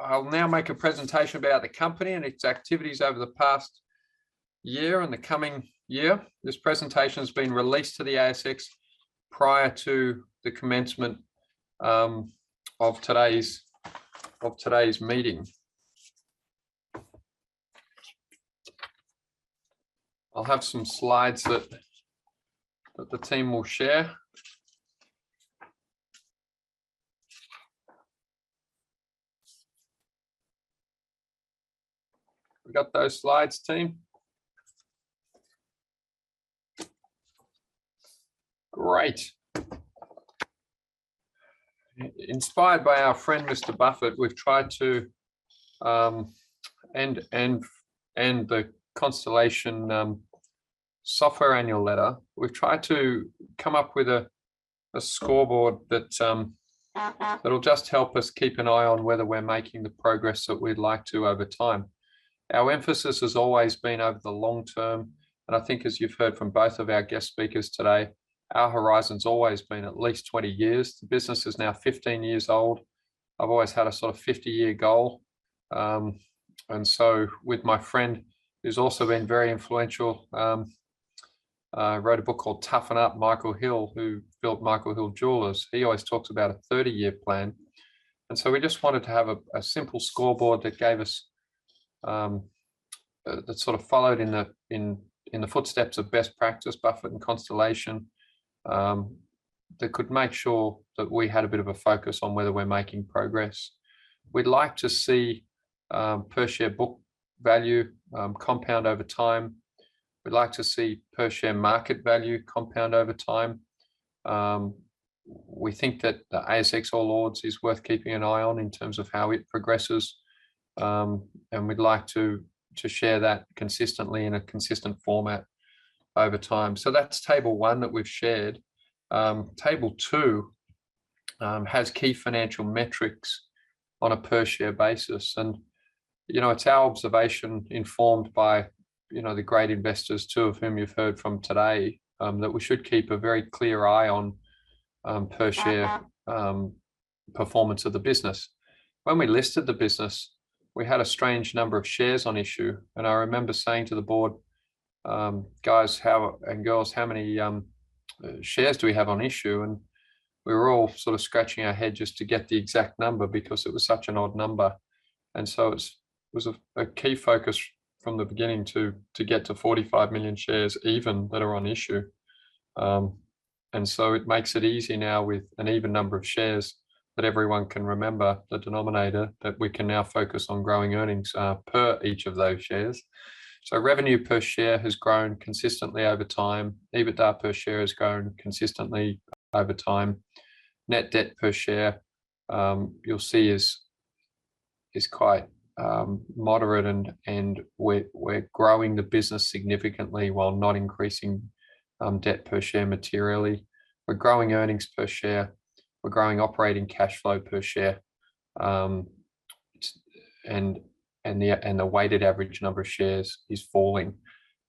I'll now make a presentation about the company and its activities over the past year and the coming year. This presentation has been released to the ASX prior to the commencement of today's meeting. I'll have some slides that the team will share. We got those slides, team? Great. Inspired by our friend, Mr. Buffett, and the Constellation Software annual letter, we've tried to come up with a scoreboard that'll just help us keep an eye on whether we're making the progress that we'd like to over time. Our emphasis has always been over the long term. I think as you've heard from both of our guest speakers today, our horizon's always been at least 20 years. The business is now 15 years old. I've always had a sort of 50-year goal. With my friend, who's also been very influential, wrote a book called Toughen Up, Michael Hill, who built Michael Hill Jeweller. He always talks about a 30-year plan. We just wanted to have a simple scoreboard that sort of followed in the footsteps of best practice, Buffett and Constellation, that could make sure that we had a bit of a focus on whether we're making progress. We'd like to see per-share book value compound over time. We'd like to see per-share market value compound over time. We think that the ASX All Ords is worth keeping an eye on in terms of how it progresses. We'd like to share that consistently in a consistent format over time. That's table one that we've shared. Table two has key financial metrics on a per-share basis. It's our observation informed by the great investors, two of whom you've heard from today, that we should keep a very clear eye on per-share performance of the business. When we listed the business, we had a strange number of shares on issue, and I remember saying to the board, "Guys, and girls, how many shares do we have on issue?" We were all sort of scratching our head just to get the exact number because it was such an odd number. It was a key focus from the beginning to get to 45 million shares even that are on issue. It makes it easy now with an even number of shares that everyone can remember the denominator that we can now focus on growing earnings per each of those shares. Revenue per share has grown consistently over time. EBITDA per share has grown consistently over time. Net debt per share, you'll see, is quite moderate and we're growing the business significantly while not increasing debt per share materially. We're growing earnings per share. We're growing operating cash flow per share. The weighted average number of shares is falling.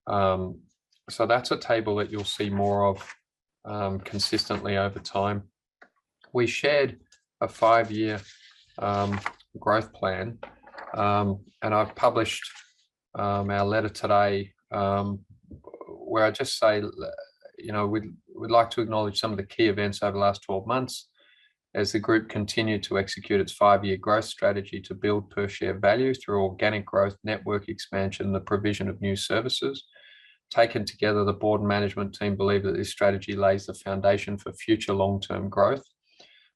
That's a table that you'll see more of consistently over time. We shared a five-year growth plan, and I've published our letter today, where I just say we'd like to acknowledge some of the key events over the last 12 months as the group continued to execute its five-year growth strategy to build per-share value through organic growth network expansion, and the provision of new services. Taken together, the board and management team believe that this strategy lays the foundation for future long-term growth.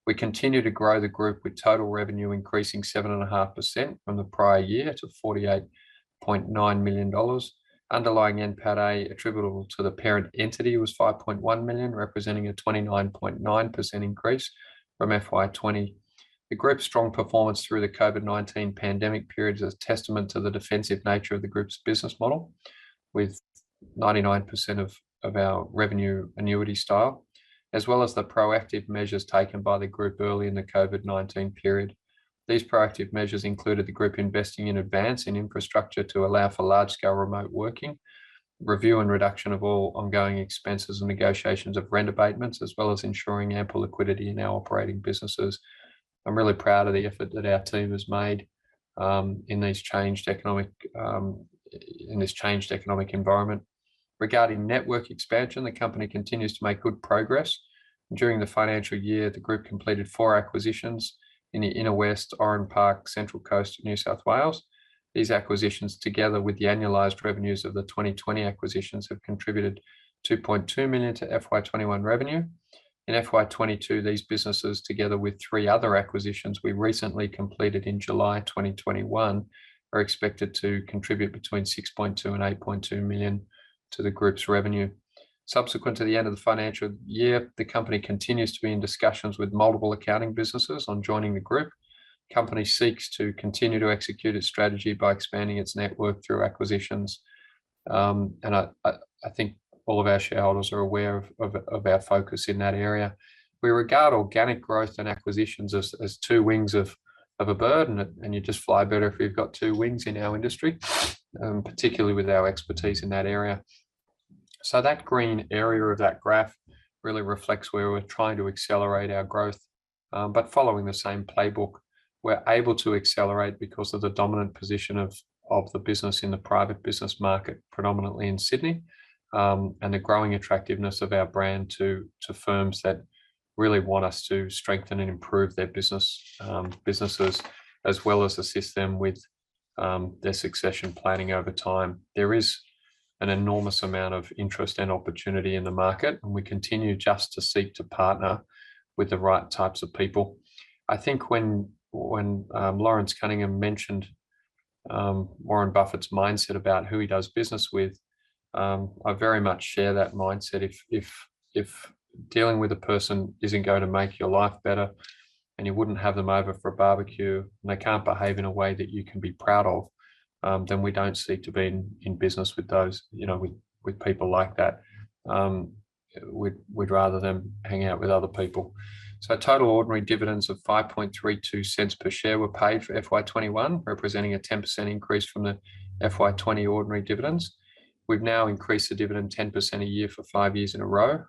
We continue to grow the Group with total revenue increasing 7.5% from the prior year to 48.9 million dollars. Underlying NPATA attributable to the parent entity was 5.1 million, representing a 29.9% increase from FY 2020. The Group's strong performance through the COVID-19 pandemic period is a testament to the defensive nature of the Group's business model, with 99% of our revenue annuity style, as well as the proactive measures taken by the Group early in the COVID-19 period. These proactive measures included the Group investing in advance in infrastructure to allow for large-scale remote working, review and reduction of all ongoing expenses and negotiations of rent abatements, as well as ensuring ample liquidity in our operating businesses. I'm really proud of the effort that our team has made in this changed economic environment. Regarding network expansion, the Company continues to make good progress. During the financial year, the group completed four acquisitions in the Inner West, Oran Park, Central Coast, New South Wales. These acquisitions, together with the annualized revenues of the 2020 acquisitions, have contributed 2.2 million to FY 2021 revenue. In FY 2022, these businesses, together with three other acquisitions we recently completed in July 2021, are expected to contribute between 6.2 million and 8.2 million to the group's revenue. Subsequent to the end of the financial year, the company continues to be in discussions with multiple accounting businesses on joining the group. Company seeks to continue to execute its strategy by expanding its network through acquisitions. I think all of our shareholders are aware of our focus in that area. We regard organic growth and acquisitions as two wings of a bird, and you just fly better if you've got two wings in our industry, particularly with our expertise in that area. That green area of that graph really reflects where we're trying to accelerate our growth. Following the same playbook, we're able to accelerate because of the dominant position of the business in the private business market, predominantly in Sydney, and the growing attractiveness of our brand to firms that really want us to strengthen and improve their businesses, as well as assist them with their succession planning over time. There is an enormous amount of interest and opportunity in the market, and we continue just to seek to partner with the right types of people. I think when Lawrence Cunningham mentioned Warren Buffett's mindset about who he does business with, I very much share that mindset. If dealing with a person isn't going to make your life better and you wouldn't have them over for a barbecue, and they can't behave in a way that you can be proud of, we don't seek to be in business with people like that. We'd rather them hang out with other people. Total ordinary dividends of 5.32 per share were paid for FY 2021, representing a 10% increase from the FY 2020 ordinary dividends. We've now increased the dividend 10% a year for five years in a row,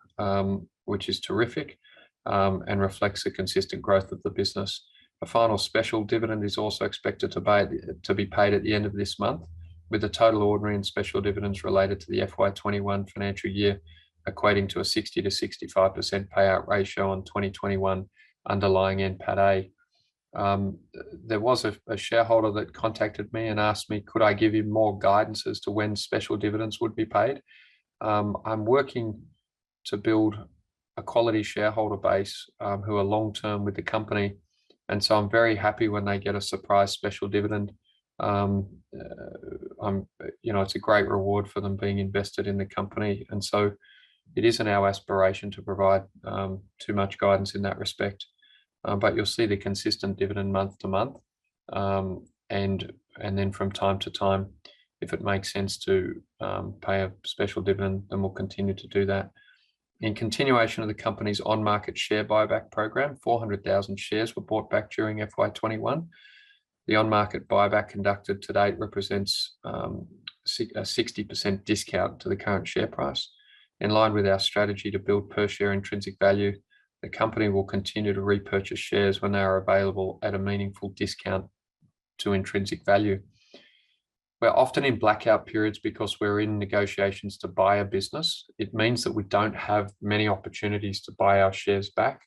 which is terrific, and reflects the consistent growth of the business. A final special dividend is also expected to be paid at the end of this month, with the total ordinary and special dividends related to the FY 2021 financial year equating to a 60%-65% payout ratio on 2021 underlying NPATA. There was a shareholder that contacted me and asked me, could I give him more guidance as to when special dividends would be paid? I'm working to build a quality shareholder base who are long-term with the company. I'm very happy when they get a surprise special dividend. It's a great reward for them being invested in the company. It isn't our aspiration to provide too much guidance in that respect. You'll see the consistent dividend month to month. From time to time, if it makes sense to pay a special dividend, we'll continue to do that. In continuation of the company's on-market share buyback program, 400,000 shares were bought back during FY 2021. The on-market buyback conducted to date represents a 60% discount to the current share price. In line with our strategy to build per-share intrinsic value, the company will continue to repurchase shares when they are available at a meaningful discount to intrinsic value. We're often in blackout periods because we're in negotiations to buy a business. It means that we don't have many opportunities to buy our shares back.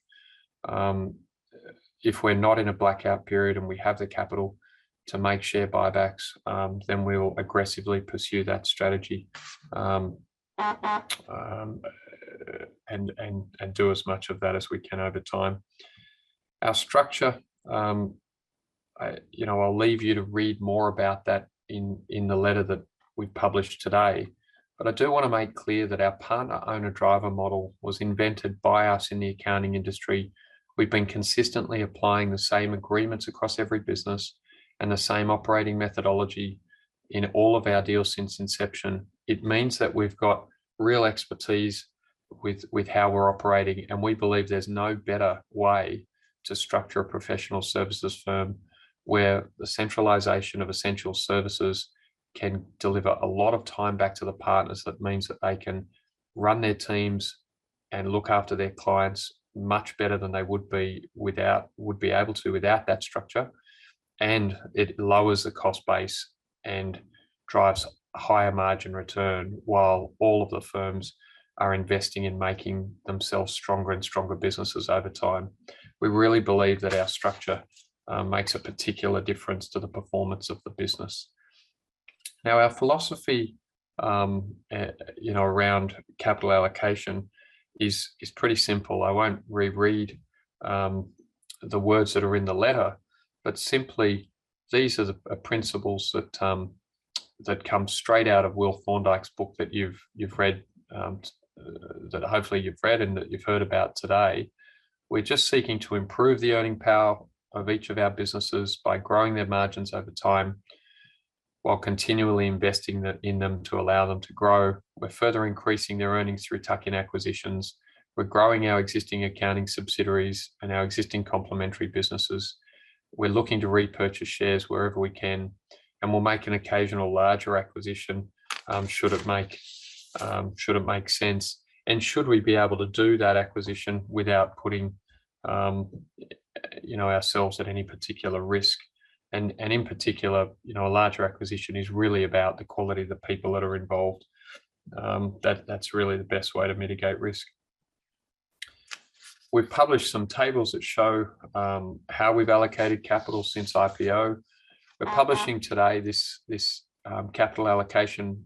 If we're not in a blackout period and we have the capital to make share buybacks, then we will aggressively pursue that strategy and do as much of that as we can over time. Our structure, I'll leave you to read more about that in the letter that we've published today. I do want to make clear that our Partner-Owner-Driver model was invented by us in the accounting industry. We've been consistently applying the same agreements across every business and the same operating methodology in all of our deals since inception. It means that we've got real expertise with how we're operating, and we believe there's no better way to structure a professional services firm where the centralization of essential services can deliver a lot of time back to the partners. That means that they can run their teams and look after their clients much better than they would be able to without that structure. It lowers the cost base and drives a higher margin return while all of the firms are investing in making themselves stronger and stronger businesses over time. We really believe that our structure makes a particular difference to the performance of the business. Now, our philosophy around capital allocation is pretty simple. I won't re-read the words that are in the letter, but simply, these are principles that come straight out of Will Thorndike's book that hopefully you've read and that you've heard about today. We're just seeking to improve the earning power of each of our businesses by growing their margins over time while continually investing in them to allow them to grow. We're further increasing their earnings through tuck-in acquisitions. We're growing our existing accounting subsidiaries and our existing complementary businesses. We're looking to repurchase shares wherever we can, and we'll make an occasional larger acquisition should it make sense, and should we be able to do that acquisition without putting ourselves at any particular risk. In particular, a larger acquisition is really about the quality of the people that are involved. That's really the best way to mitigate risk. We've published some tables that show how we've allocated capital since IPO. We're publishing today this capital allocation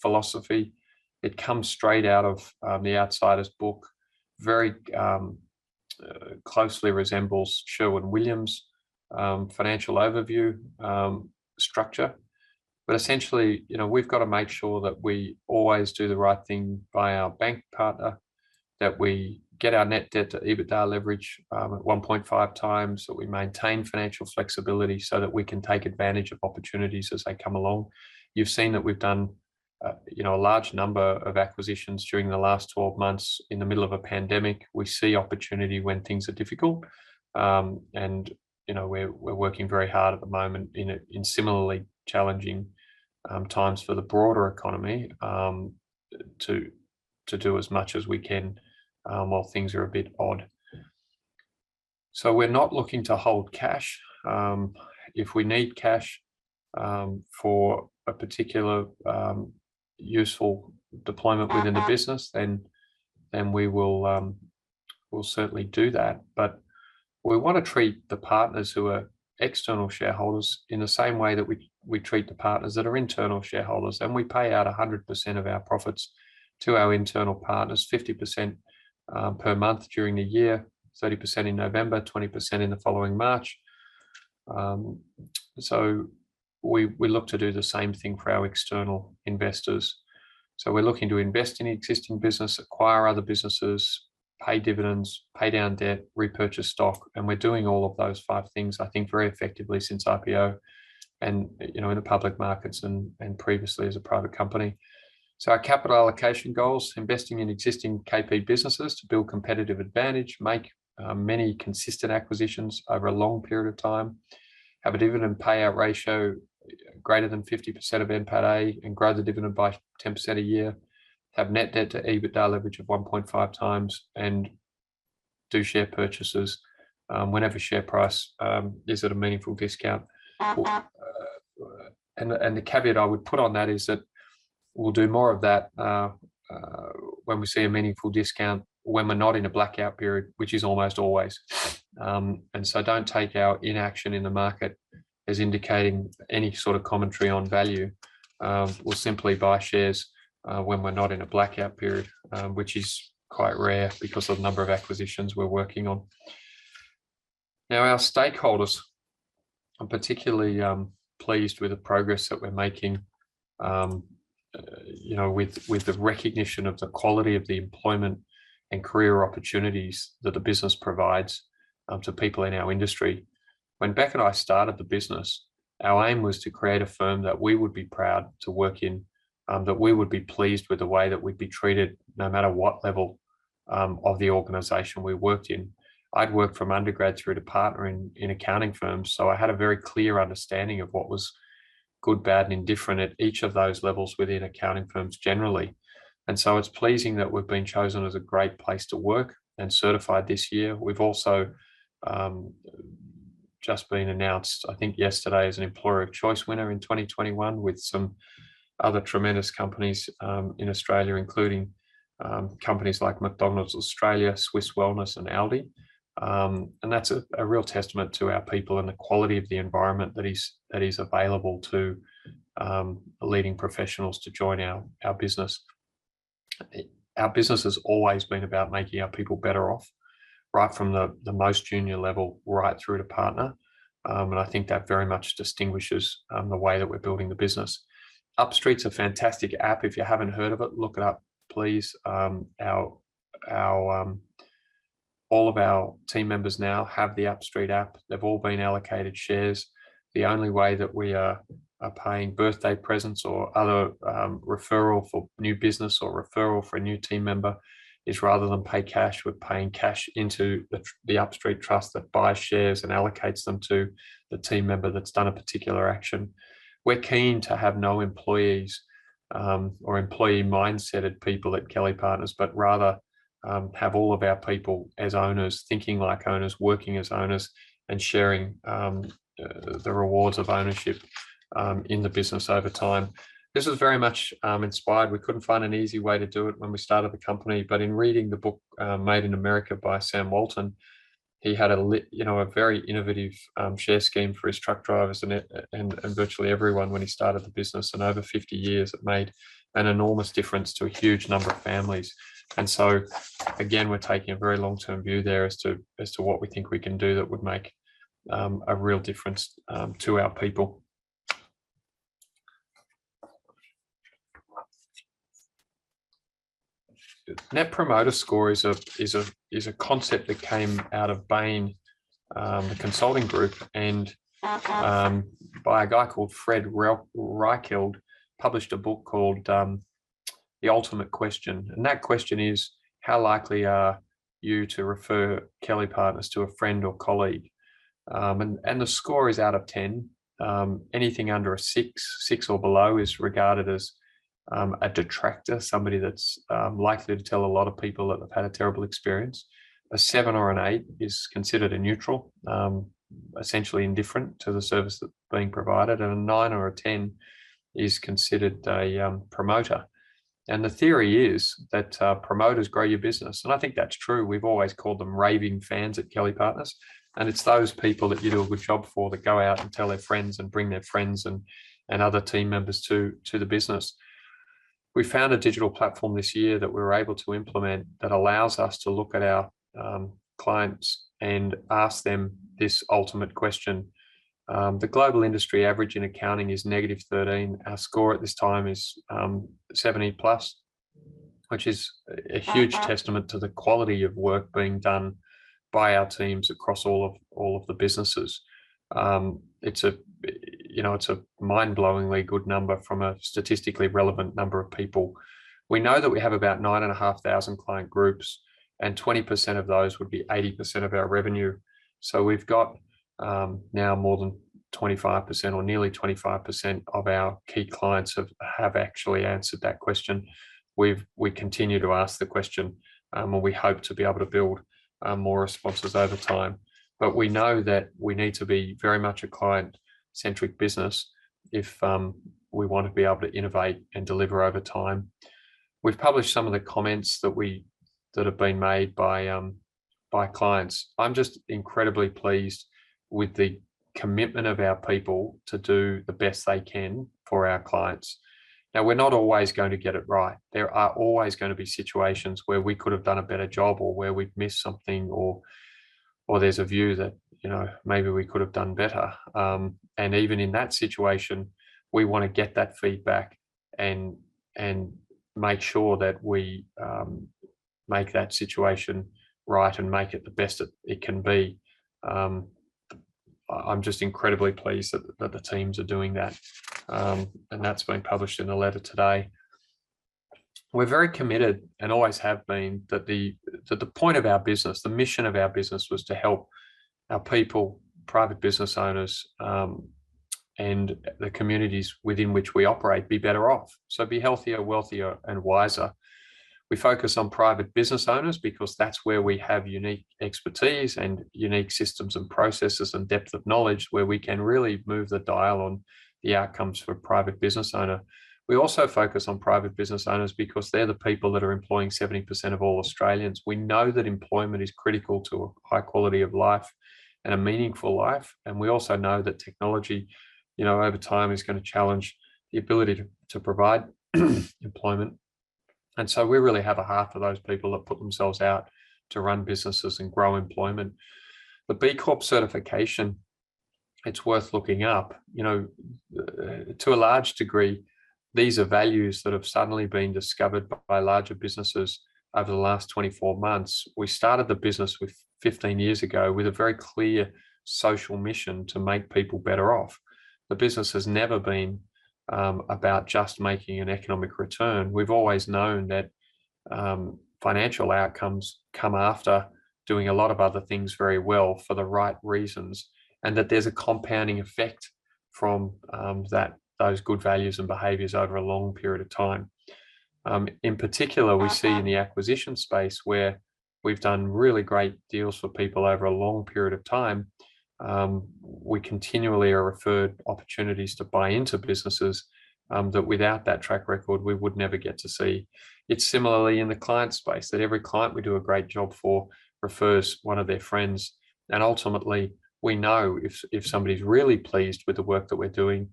philosophy. It comes straight out of "The Outsiders" book. Very closely resembles Sherwin-Williams' financial overview structure. Essentially, we've got to make sure that we always do the right thing by our bank partner, that we get our net debt to EBITDA leverage at 1.5x, that we maintain financial flexibility so that we can take advantage of opportunities as they come along. You've seen that we've done a large number of acquisitions during the last 12 months in the middle of a pandemic. We see opportunity when things are difficult. We're working very hard at the moment in similarly challenging times for the broader economy to do as much as we can while things are a bit odd. We're not looking to hold cash. If we need cash for a particular useful deployment within the business, then we'll certainly do that. We want to treat the partners who are external shareholders in the same way that we treat the partners that are internal shareholders, and we pay out 100% of our profits to our internal partners, 50% per month during the year, 30% in November, 20% in the following March. We look to do the same thing for our external investors. We're looking to invest in existing business, acquire other businesses, pay dividends, pay down debt, repurchase stock, and we're doing all of those five things, I think, very effectively since IPO and in the public markets and previously as a private company. Our capital allocation goals, investing in existing KP businesses to build competitive advantage, make many consistent acquisitions over a long period of time, have a dividend payout ratio greater than 50% of NPATA, and grow the dividend by 10% a year, have net debt to EBITDA leverage of 1.5x, and do share purchases whenever share price is at a meaningful discount. The caveat I would put on that is that we'll do more of that when we see a meaningful discount when we're not in a blackout period, which is almost always. Don't take our inaction in the market as indicating any sort of commentary on value. We'll simply buy shares when we're not in a blackout period, which is quite rare because of the number of acquisitions we're working on. Our stakeholders are particularly pleased with the progress that we're making with the recognition of the quality of the employment and career opportunities that the business provides to people in our industry. When Bec and I started the business, our aim was to create a firm that we would be proud to work in, that we would be pleased with the way that we'd be treated no matter what level of the organization we worked in. I'd worked from undergrad through to partner in accounting firms, so I had a very clear understanding of what was good, bad, and indifferent at each of those levels within accounting firms generally. It's pleasing that we've been chosen as a great place to work and certified this year. We've also just been announced, I think yesterday, as an Employer of Choice winner in 2021 with some other tremendous companies in Australia, including companies like McDonald's Australia, Swisse Wellness, and Aldi. That's a real testament to our people and the quality of the environment that is available to leading professionals to join our business. Our business has always been about making our people better off, right from the most junior level right through to partner. I think that very much distinguishes the way that we're building the business. Upstreet's a fantastic app. If you haven't heard of it, look it up, please. All of our team members now have the Upstreet app. They've all been allocated shares. The only way that we are paying birthday presents or other referral for new business or referral for a new team member is rather than pay cash, we're paying cash into the Upstreet trust that buys shares and allocates them to the team member that's done a particular action. We're keen to have no employees or employee-mindsetted people at Kelly Partners, but rather have all of our people as owners, thinking like owners, working as owners, and sharing the rewards of ownership in the business over time. This was very much inspired. We couldn't find an easy way to do it when we started the company, but in reading the book "Made in America" by Sam Walton, he had a very innovative share scheme for his truck drivers and virtually everyone when he started the business. Over 50 years, it made an enormous difference to a huge number of families. Again, we're taking a very long-term view there as to what we think we can do that would make a real difference to our people. Net Promoter Score is a concept that came out of Bain, the consulting group, and by a guy called Fred Reichheld, published a book called "The Ultimate Question," and that question is, how likely are you to refer Kelly Partners to a friend or colleague? The score is out of 10. Anything under a six or below is regarded as a detractor, somebody that's likely to tell a lot of people that they've had a terrible experience. A seven or an eight is considered a neutral, essentially indifferent to the service that's being provided. A nine or a 10 is considered a promoter. The theory is that promoters grow your business, and I think that's true. We've always called them raving fans at Kelly Partners, and it's those people that you do a good job for that go out and tell their friends and bring their friends and other team members to the business. We found a digital platform this year that we were able to implement that allows us to look at our clients and ask them this Ultimate Question. The global industry average in accounting is -13. Our score at this time is 70+, which is a huge testament to the quality of work being done by our teams across all of the businesses. It's a mind-blowingly good number from a statistically relevant number of people. We know that we have about 9,500 client groups, 20% of those would be 80% of our revenue. We've got now more than 25% or nearly 25% of our key clients have actually answered that question. We continue to ask the question, we hope to be able to build more responses over time. We know that we need to be very much a client-centric business if we want to be able to innovate and deliver over time. We've published some of the comments that have been made by clients. I'm just incredibly pleased with the commitment of our people to do the best they can for our clients. We're not always going to get it right. There are always going to be situations where we could've done a better job or where we've missed something or there's a view that maybe we could've done better. Even in that situation, we want to get that feedback and make sure that we make that situation right and make it the best that it can be. I'm just incredibly pleased that the teams are doing that, and that's been published in the letter today. We're very committed, and always have been, that the point of our business, the mission of our business was to help our people, private business owners, and the communities within which we operate be better off. Be healthier, wealthier, and wiser. We focus on private business owners because that's where we have unique expertise and unique systems and processes and depth of knowledge where we can really move the dial on the outcomes for a private business owner. We also focus on private business owners because they're the people that are employing 70% of all Australians. We know that employment is critical to a high quality of life and a meaningful life, and we also know that technology, over time, is going to challenge the ability to provide employment. We really have a heart for those people that put themselves out to run businesses and grow employment. The B Corp certification, it's worth looking up. To a large degree, these are values that have suddenly been discovered by larger businesses over the last 24 months. We started the business 15 years ago with a very clear social mission to make people better off. The business has never been about just making an economic return. We've always known that financial outcomes come after doing a lot of other things very well for the right reasons, and that there's a compounding effect from those good values and behaviors over a long period of time. In particular, we see in the acquisition space where we've done really great deals for people over a long period of time, we continually are referred opportunities to buy into businesses that without that track record, we would never get to see. It's similarly in the client space, that every client we do a great job for refers one of their friends, and ultimately we know if somebody's really pleased with the work that we're doing.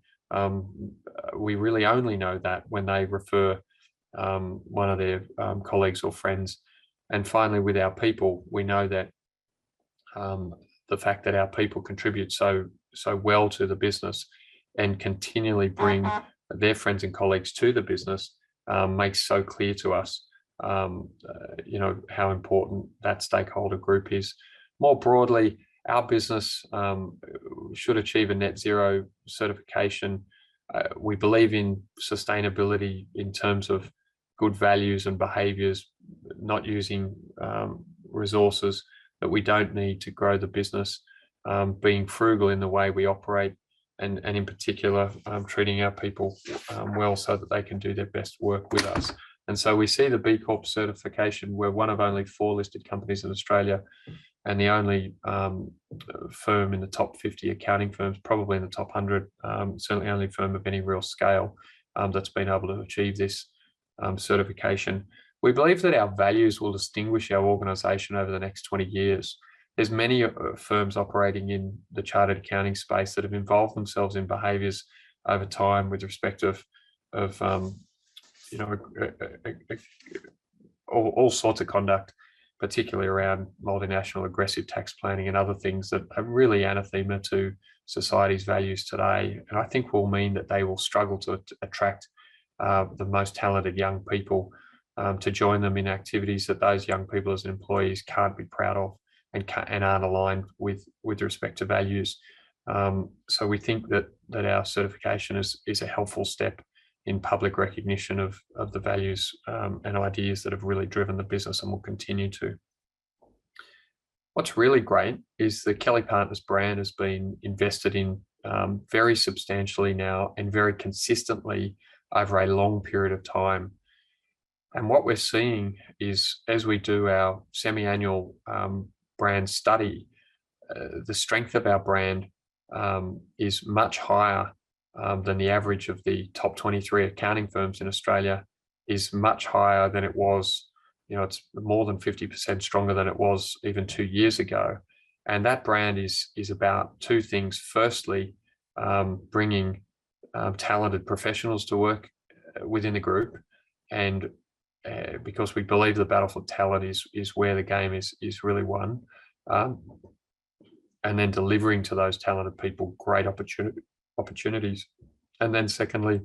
We really only know that when they refer one of their colleagues or friends. Finally, with our people, we know that the fact that our people contribute so well to the business and continually bring their friends and colleagues to the business makes so clear to us how important that stakeholder group is. More broadly, our business should achieve a net zero certification. We believe in sustainability in terms of good values and behaviors, not using resources that we don't need to grow the business, being frugal in the way we operate, and in particular treating our people well so that they can do their best work with us. We see the B Corp certification. We're one of only four listed companies in Australia and the only firm in the top 50 accounting firms, probably in the top 100, certainly only firm of any real scale that's been able to achieve this certification. We believe that our values will distinguish our organization over the next 20 years. There's many firms operating in the chartered accounting space that have involved themselves in behaviors over time with respect of all sorts of conduct, particularly around multinational aggressive tax planning and other things that are really anathema to society's values today, and I think will mean that they will struggle to attract the most talented young people to join them in activities that those young people as employees can't be proud of and aren't aligned with respect to values. We think that our certification is a helpful step in public recognition of the values and ideas that have really driven the business and will continue to. What's really great is the Kelly Partners brand has been invested in very substantially now and very consistently over a long period of time. What we're seeing is as we do our semi-annual brand study, the strength of our brand is much higher than the average of the top 23 accounting firms in Australia, is much higher than it was. It's more than 50% stronger than it was even two years ago. That brand is about two things. Firstly, bringing talented professionals to work within the group, and because we believe the battle for talent is where the game is really won, and then delivering to those talented people great opportunities. Secondly,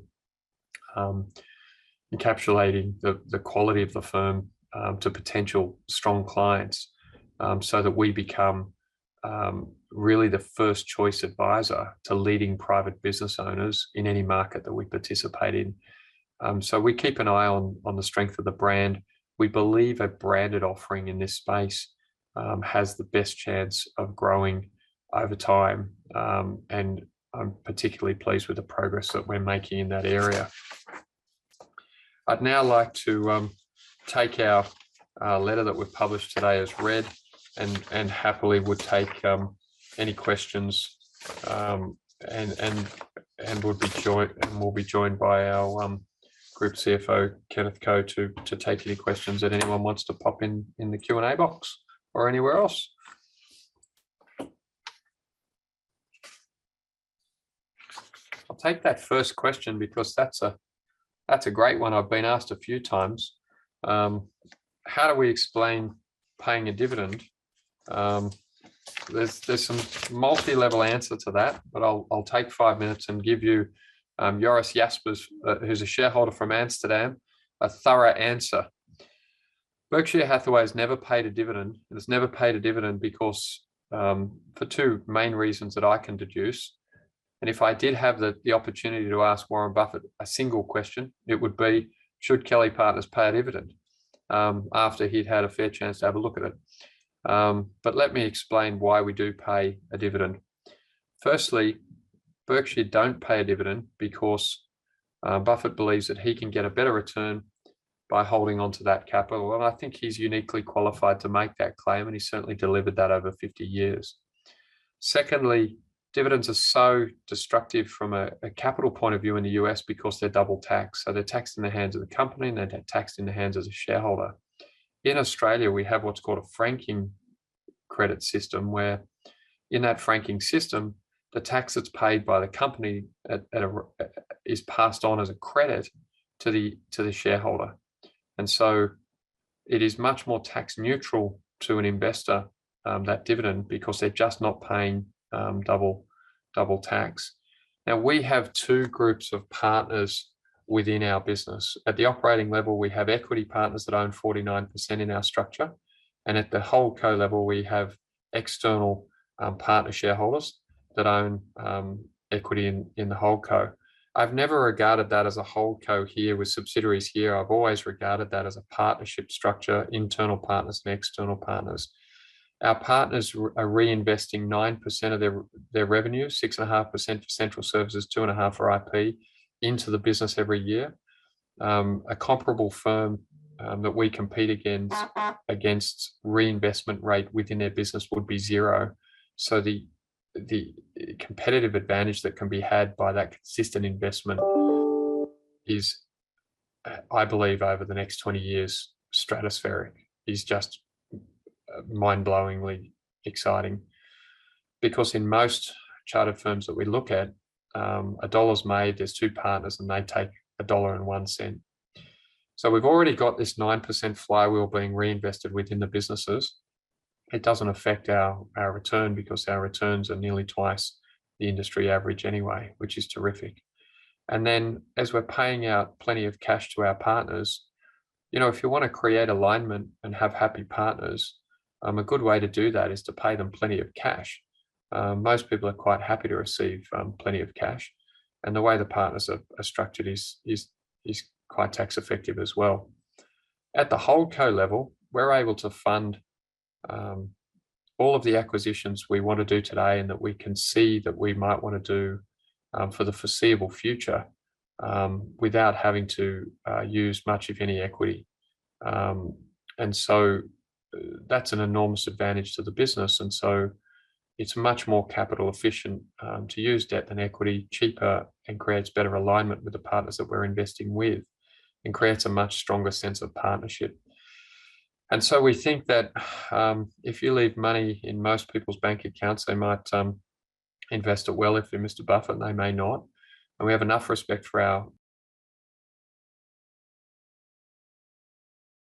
encapsulating the quality of the firm to potential strong clients, so that we become really the first choice advisor to leading private business owners in any market that we participate in. We keep an eye on the strength of the brand. We believe a branded offering in this space has the best chance of growing over time, and I'm particularly pleased with the progress that we're making in that area. I'd now like to take our letter that we've published today as read and happily would take any questions, and will be joined by our group CFO, Kenneth Ko, to take any questions that anyone wants to pop in the Q&A box or anywhere else. I'll take that first question because that's a great one I've been asked a few times. How do we explain paying a dividend? There's some multilevel answer to that, but I'll take five minutes and give you, Joris Jaspers, who's a shareholder from Amsterdam, a thorough answer. Berkshire Hathaway has never paid a dividend. It has never paid a dividend for two main reasons that I can deduce. If I did have the opportunity to ask Warren Buffett a single question, it would be, should Kelly Partners pay a dividend? After he'd had a fair chance to have a look at it. Let me explain why we do pay a dividend. Firstly, Berkshire don't pay a dividend because Buffett believes that he can get a better return by holding onto that capital, and I think he's uniquely qualified to make that claim, and he certainly delivered that over 50 years. Secondly, dividends are so destructive from a capital point of view in the U.S. because they're double tax. They're taxed in the hands of the company, and they're taxed in the hands as a shareholder. In Australia, we have what's called a franking credit system, where in that franking system, the tax that's paid by the company is passed on as a credit to the shareholder. It is much more tax neutral to an investor, that dividend, because they're just not paying double tax. Now, we have two groups of partners within our business. At the operating level, we have equity partners that own 49% in our structure, and at the whole co level, we have external partner shareholders that own equity in the whole co. I've never regarded that as a whole co here with subsidiaries here. I've always regarded that as a partnership structure, internal partners and external partners. Our partners are reinvesting 9% of their revenue, 6.5% for central services, 2.5% for IP, into the business every year. A comparable firm that we compete against, reinvestment rate within their business would be zero. The competitive advantage that can be had by that consistent investment is, I believe, over the next 20 years, stratospheric. It is just mind-blowingly exciting. In most chartered firms that we look at, a dollars made, there's two partners, and they take 1.01 dollar. We've already got this 9% flywheel being reinvested within the businesses. It doesn't affect our return because our returns are nearly twice the industry average anyway, which is terrific. As we're paying out plenty of cash to our partners, if you want to create alignment and have happy partners, a good way to do that is to pay them plenty of cash. Most people are quite happy to receive plenty of cash, and the way the partners are structured is quite tax effective as well. At the whole co level, we are able to fund all of the acquisitions we want to do today and that we can see that we might want to do for the foreseeable future, without having to use much of any equity. That's an enormous advantage to the business, and so it's much more capital efficient to use debt than equity, cheaper, and creates better alignment with the partners that we are investing with, and creates a much stronger sense of partnership. We think that if you leave money in most people's bank accounts, they might invest it well. If they are Mr. Buffett, they may not. We have enough respect for our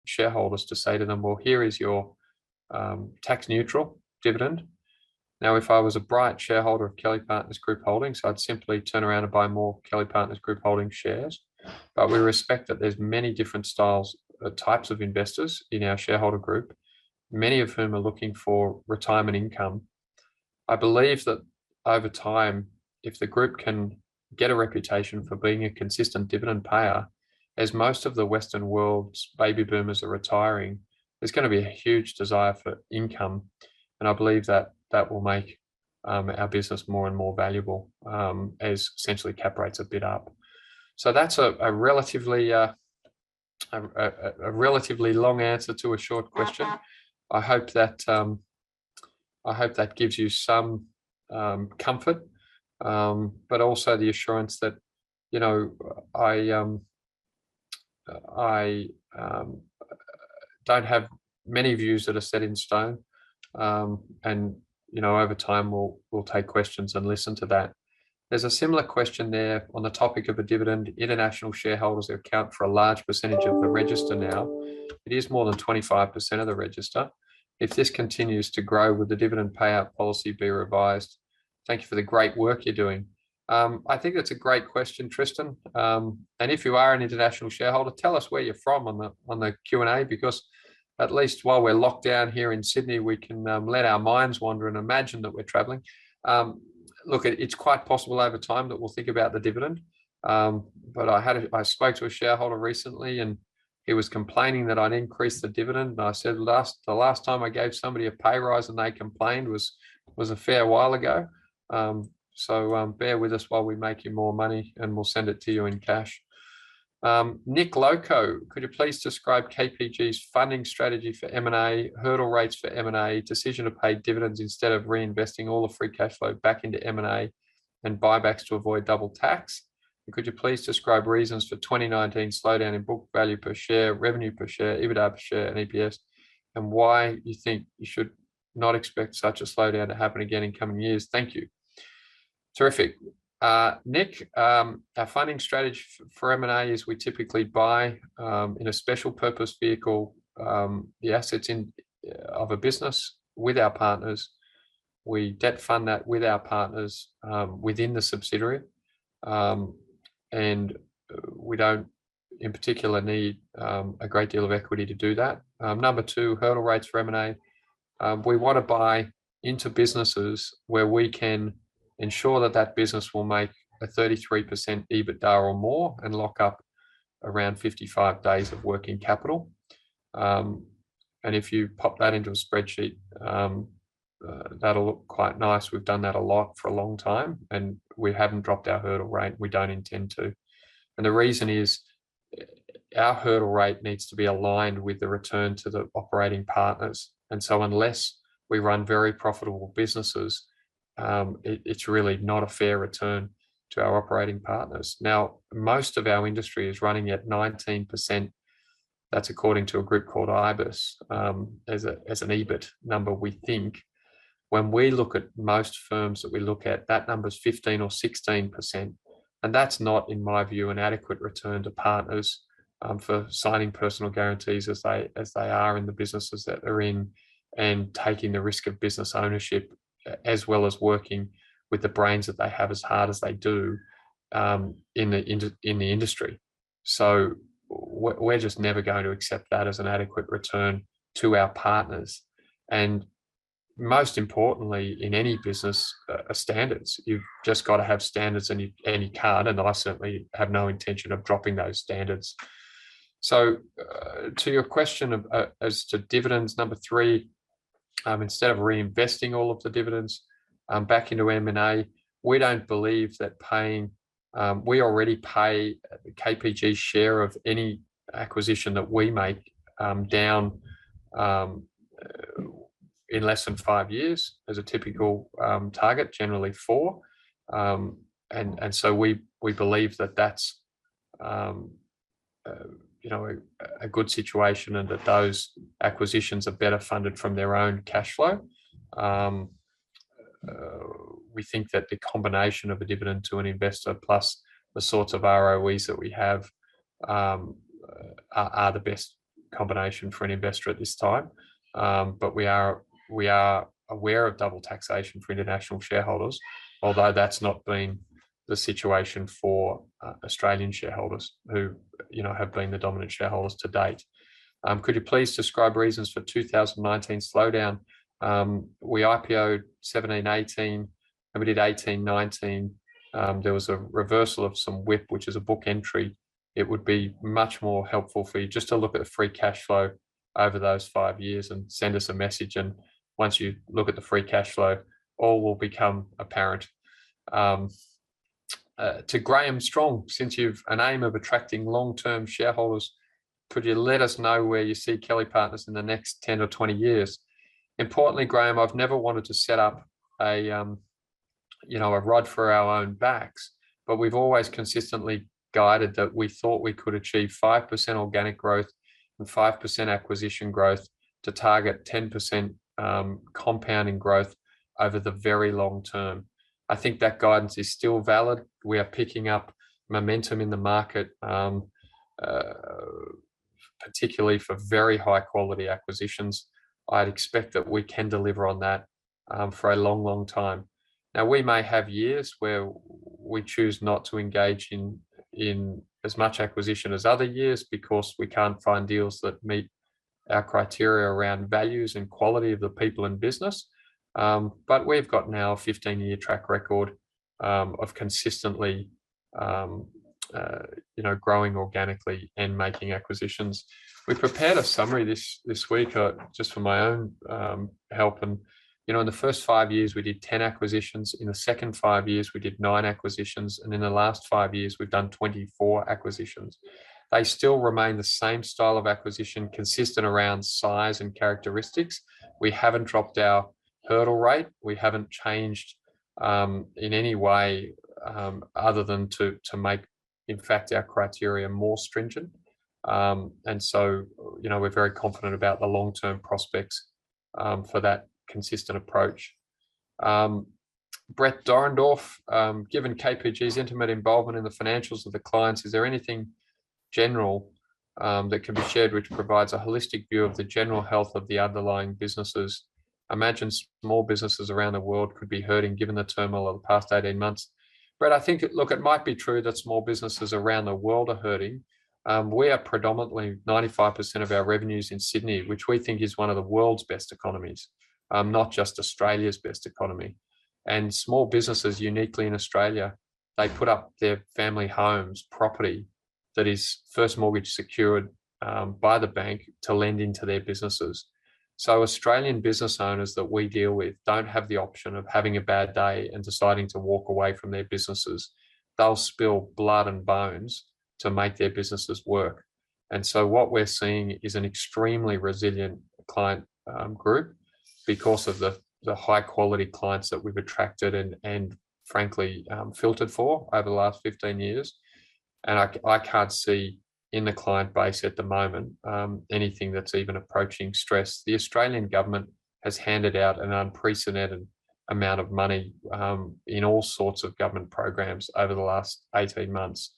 shareholders to say to them, "Well, here is your tax neutral dividend." If I was a bright shareholder of Kelly Partners Group Holdings, I'd simply turn around and buy more Kelly Partners Group Holdings shares. We respect that there's many different types of investors in our shareholder group, many of whom are looking for retirement income. I believe that over time, if the group can get a reputation for being a consistent dividend payer, as most of the Western world's baby boomers are retiring, there's going to be a huge desire for income. I believe that will make our business more and more valuable as essentially cap rates have been up. That's a relatively long answer to a short question. I hope that gives you some comfort, but also the assurance that I don't have many views that are set in stone. Over time, we'll take questions and listen to that. There's a similar question there on the topic of a dividend. International shareholders account for a large percentage of the register now. It is more than 25% of the register. If this continues to grow, will the dividend payout policy be revised? Thank you for the great work you're doing. I think that's a great question, Tristan. If you are an international shareholder, tell us where you're from on the Q&A, because at least while we're locked down here in Sydney, we can let our minds wander and imagine that we're traveling. Look, it's quite possible over time that we'll think about the dividend. I spoke to a shareholder recently, and he was complaining that I'd increased the dividend. I said, "The last time I gave somebody a pay rise and they complained was a fair while ago. Bear with us while we make you more money, and we'll send it to you in cash." Nick Loco, "Could you please describe KPG's funding strategy for M&A, hurdle rates for M&A, decision to pay dividends instead of reinvesting all the free cash flow back into M&A, and buybacks to avoid double tax? Could you please describe reasons for 2019 slowdown in book value per share, revenue per share, EBITDA per share, and EPS, and why you think you should not expect such a slowdown to happen again in coming years? Thank you." Terrific. Nick, our funding strategy for M&A is we typically buy, in a special purpose vehicle, the assets of a business with our partners. We debt fund that with our partners within the subsidiary. We don't in particular need a great deal of equity to do that. Number two, hurdle rates for M&A. We want to buy into businesses where we can ensure that that business will make a 33% EBITDA or more and lock up around 55 days of working capital. If you pop that into a spreadsheet, that'll look quite nice. We've done that a lot for a long time, and we haven't dropped our hurdle rate. We don't intend to. The reason is our hurdle rate needs to be aligned with the return to the operating partners. Unless we run very profitable businesses, it's really not a fair return to our operating partners. Most of our industry is running at 19%. That's according to a group called IBIS. As an EBIT number, we think when we look at most firms that we look at, that number's 15% or 16%. That's not, in my view, an adequate return to partners for signing personal guarantees as they are in the businesses that they're in and taking the risk of business ownership, as well as working with the brains that they have as hard as they do in the industry. We're just never going to accept that as an adequate return to our partners. Most importantly, in any business, are standards. You've just got to have standards, and you can't, and I certainly have no intention of dropping those standards. To your question as to dividends, number three, instead of reinvesting all of the dividends back into M&A, we don't believe that We already pay KPG's share of any acquisition that we make down in less than five years as a typical target, generally four. We believe that's a good situation and that those acquisitions are better funded from their own cash flow. We think that the combination of a dividend to an investor plus the sorts of ROEs that we have are the best combination for an investor at this time. We are aware of double taxation for international shareholders, although that's not been the situation for Australian shareholders who have been the dominant shareholders to date. "Could you please describe reasons for 2019 slowdown?" We IPO'd 2017, 2018, and we did 2018, 2019. There was a reversal of some WIP, which is a book entry. It would be much more helpful for you just to look at the free cash flow over those 5 years and send us a message. Once you look at the free cash flow, all will become apparent. To Graham Strong, "Since you've an aim of attracting long-term shareholders, could you let us know where you see Kelly Partners in the next 10 or 20 years?" Importantly, Graham, I've never wanted to set up a rod for our own backs, but we've always consistently guided that we thought we could achieve 5% organic growth and 5% acquisition growth to target 10% compounding growth over the very long term. I think that guidance is still valid. We are picking up momentum in the market, particularly for very high-quality acquisitions. I'd expect that we can deliver on that for a long, long time. We may have years where we choose not to engage in as much acquisition as other years because we can't find deals that meet our criteria around values and quality of the people and business. We've got now a 15-year track record of consistently growing organically and making acquisitions. We prepared a summary this week just for my own help. In the first five years, we did 10 acquisitions. In the second five years, we did nine acquisitions. In the last five years, we've done 24 acquisitions. They still remain the same style of acquisition, consistent around size and characteristics. We haven't dropped our hurdle rate. We haven't changed in any way other than to make, in fact, our criteria more stringent. We're very confident about the long-term prospects for that consistent approach. Brett Dorndorf, "Given KPG's intimate involvement in the financials of the clients, is there anything general that can be shared which provides a holistic view of the general health of the underlying businesses? I imagine small businesses around the world could be hurting given the turmoil of the past 18 months." Brett, I think, look, it might be true that small businesses around the world are hurting. We are predominantly 95% of our revenues in Sydney, which we think is one of the world's best economies, not just Australia's best economy. Small businesses uniquely in Australia, they put up their family homes, property that is first mortgage secured by the bank to lend into their businesses. Australian business owners that we deal with don't have the option of having a bad day and deciding to walk away from their businesses. They'll spill blood and bones to make their businesses work. What we're seeing is an extremely resilient client group because of the high-quality clients that we've attracted and frankly, filtered for over the last 15 years. I can't see in the client base at the moment anything that's even approaching stress. The Australian government has handed out an unprecedented amount of money in all sorts of government programs over the last 18 months.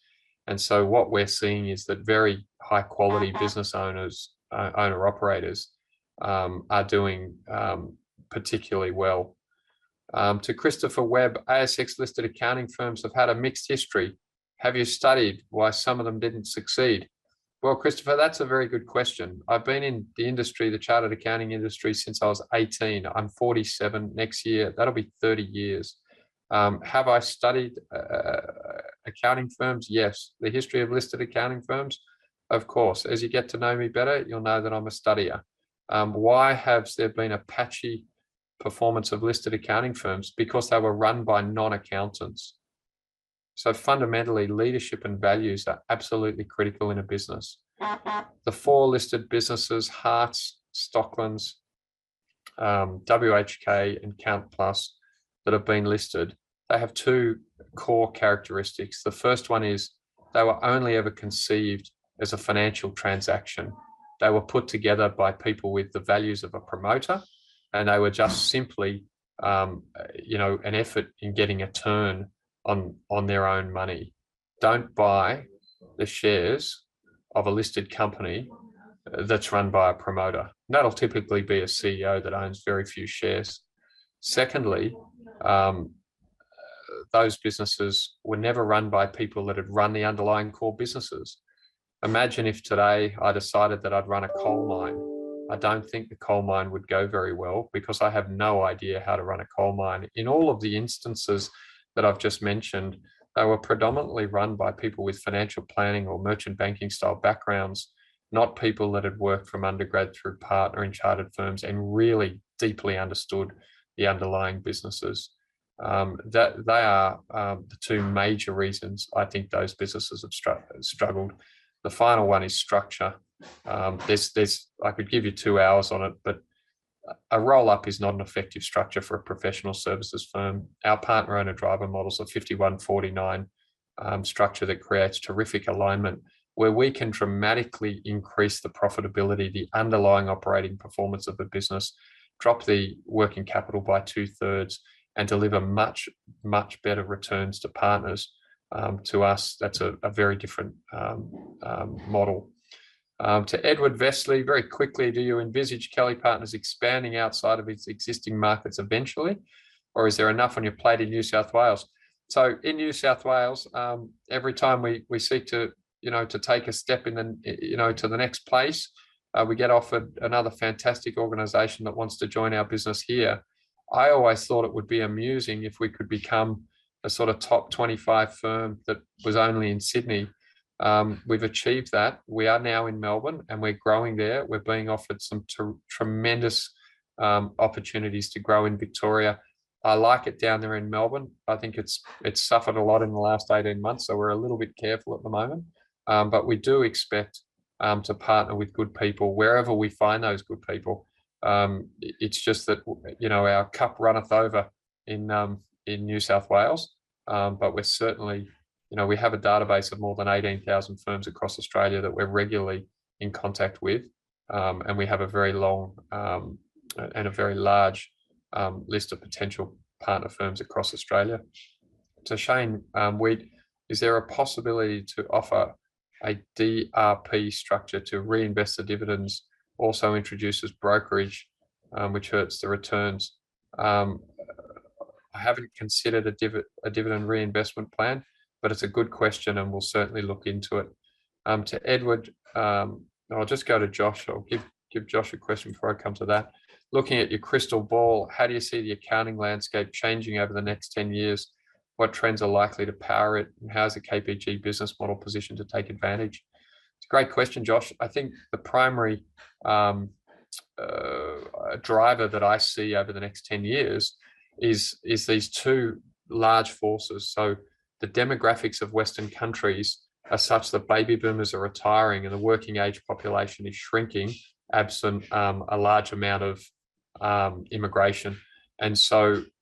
What we're seeing is that very high-quality business owner-operators are doing particularly well. To Christopher Webb, "ASX listed accounting firms have had a mixed history. Have you studied why some of them didn't succeed?" Well, Christopher, that's a very good question. I've been in the industry, the chartered accounting industry since I was 18. I'm 47 next year. That'll be 30 years. Have I studied accounting firms? Yes. The history of listed accounting firms? Of course. As you get to know me better, you'll know that I'm a studier. Why has there been a patchy performance of listed accounting firms? Because they were run by non-accountants. Fundamentally, leadership and values are absolutely critical in a business. The four listed businesses, Harts, Stockford, WHK, and CountPlus that have been listed, they have two core characteristics. The first one is they were only ever conceived as a financial transaction. They were put together by people with the values of a promoter, and they were just simply an effort in getting a turn on their own money. Don't buy the shares of a listed company that's run by a promoter. That'll typically be a CEO that owns very few shares. Secondly, those businesses were never run by people that had run the underlying core businesses. Imagine if today I decided that I'd run a coal mine. I don't think the coal mine would go very well because I have no idea how to run a coal mine. In all of the instances that I've just mentioned, they were predominantly run by people with financial planning or merchant banking style backgrounds, not people that had worked from undergrad through partner in chartered firms and really deeply understood the underlying businesses. They are the two major reasons I think those businesses have struggled. The final one is structure. I could give you two hours on it, but a roll-up is not an effective structure for a professional services firm. Our Partner-Owner-Driver model's a 51/49 structure that creates terrific alignment where we can dramatically increase the profitability, the underlying operating performance of the business, drop the working capital by two-thirds, and deliver much, much better returns to partners. To us, that's a very different model. To Edward Vesely, "Very quickly, do you envisage Kelly Partners expanding outside of its existing markets eventually, or is there enough on your plate in New South Wales?" In New South Wales, every time we seek to take a step to the next place, we get offered another fantastic organization that wants to join our business here. I always thought it would be amusing if we could become a top 25 firm that was only in Sydney. We've achieved that. We are now in Melbourne and we're growing there. We're being offered some tremendous opportunities to grow in Victoria. I like it down there in Melbourne. I think it's suffered a lot in the last 18 months, we're a little bit careful at the moment. We do expect to partner with good people wherever we find those good people. It's just that our cup runneth over in New South Wales. We have a database of more than 18,000 firms across Australia that we're regularly in contact with. We have a very long, and a very large list of potential partner firms across Australia. To Shane Wheat, is there a possibility to offer a DRP structure to reinvest the dividends, also introduces brokerage, which hurts the returns? I haven't considered a dividend reinvestment plan, but it's a good question, and we'll certainly look into it. No, I'll just go to Josh. I'll give Josh a question before I come to that. Looking at your crystal ball, how do you see the accounting landscape changing over the next 10 years? What trends are likely to power it, and how is the KPG business model positioned to take advantage?" It's a great question, Josh. I think the primary driver that I see over the next 10 years is these two large forces. The demographics of Western countries are such that baby boomers are retiring and the working age population is shrinking absent a large amount of immigration. As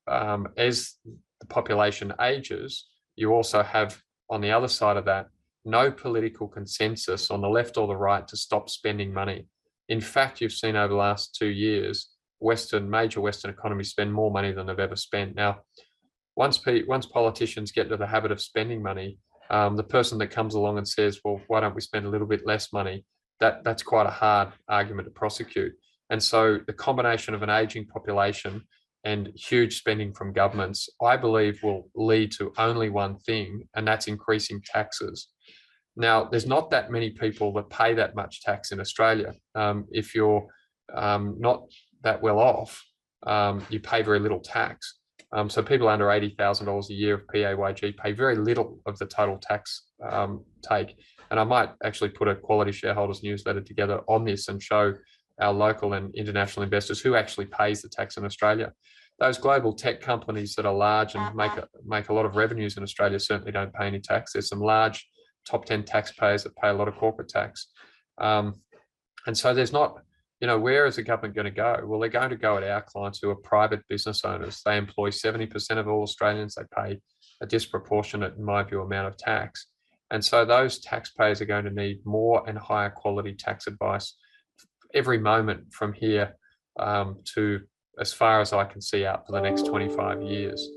the population ages, you also have, on the other side of that, no political consensus on the left or the right to stop spending money. You've seen over the last two years, major Western economies spend more money than they've ever spent. Now, once politicians get into the habit of spending money, the person that comes along and says, "Well, why don't we spend a little bit less money?" That's quite a hard argument to prosecute. The combination of an aging population and huge spending from governments, I believe will lead to only one thing, and that's increasing taxes. Now, there's not that many people that pay that much tax in Australia. If you're not that well off. You pay very little tax. People under 80,000 dollars a year of PAYG pay very little of the total tax take. I might actually put a quality shareholders' newsletter together on this and show our local and international investors who actually pays the tax in Australia. Those global tech companies that are large and make a lot of revenues in Australia certainly don't pay any tax. There's some large top 10 taxpayers that pay a lot of corporate tax. Where is the government going to go? Well, they're going to go at our clients who are private business owners. They employ 70% of all Australians, they pay a disproportionate, in my view, amount of tax. Those taxpayers are going to need more and higher quality tax advice every moment from here to as far as I can see out for the next 25 years.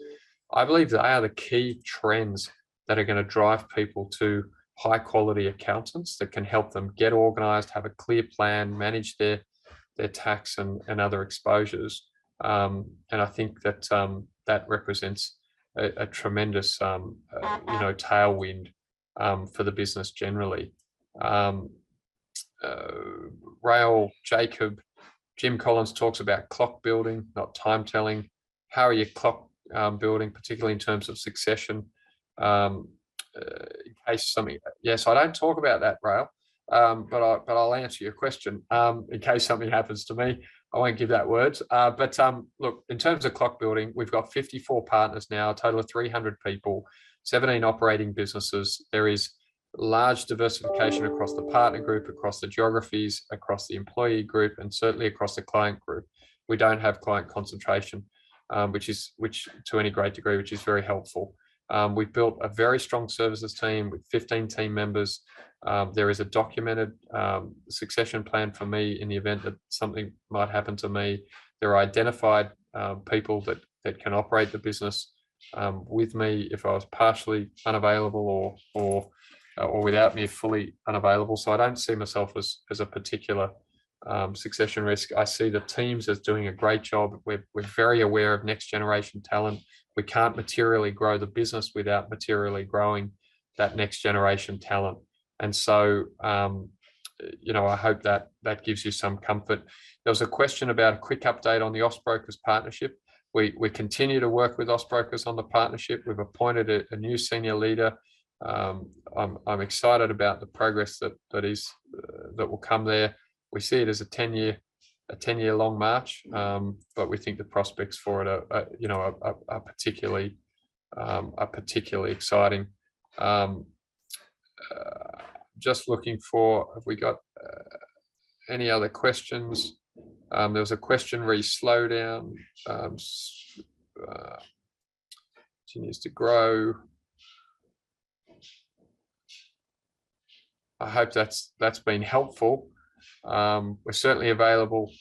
I believe that they are the key trends that are going to drive people to high-quality accountants that can help them get organized, have a clear plan, manage their tax and other exposures. I think that represents a tremendous tailwind for the business generally. Rael Jacob, "Jim Collins talks about clock building, not time telling. How are you clock building, particularly in terms of succession in case something? Yes, I don't talk about that, Rael, but I'll answer your question. In case something happens to me, I won't give that words. Look, in terms of clock building, we've got 54 partners now, a total of 300 people, 17 operating businesses. There is large diversification across the partner group, across the geographies, across the employee group, and certainly across the client group. We don't have client concentration, which to any great degree, which is very helpful. We've built a very strong services team with 15 team members. There is a documented succession plan for me in the event that something might happen to me. There are identified people that can operate the business with me if I was partially unavailable or without me, fully unavailable. I don't see myself as a particular succession risk. I see the teams as doing a great job. We're very aware of next generation talent. We can't materially grow the business without materially growing that next generation talent. I hope that gives you some comfort. There was a question about a quick update on the Austbrokers partnership. We continue to work with Austbrokers on the partnership. We've appointed a new senior leader. I'm excited about the progress that will come there. We see it as a 10-year long march. We think the prospects for it are particularly exciting. Just looking for have we got any other questions? There was a question, where you slow down, continues to grow. I hope that's been helpful. We're certainly available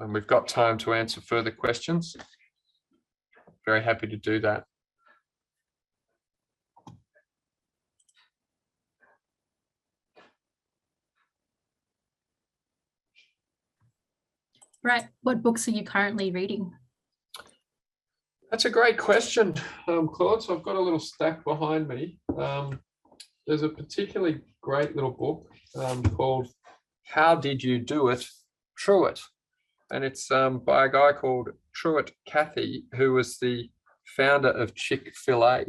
and we've got time to answer further questions. Very happy to do that. Brett, what books are you currently reading? That's a great question, Claude. I've got a little stack behind me. There's a particularly great little book called "How Did You Do It, Truett?" It's by a guy called Truett Cathy, who was the founder of Chick-fil-A,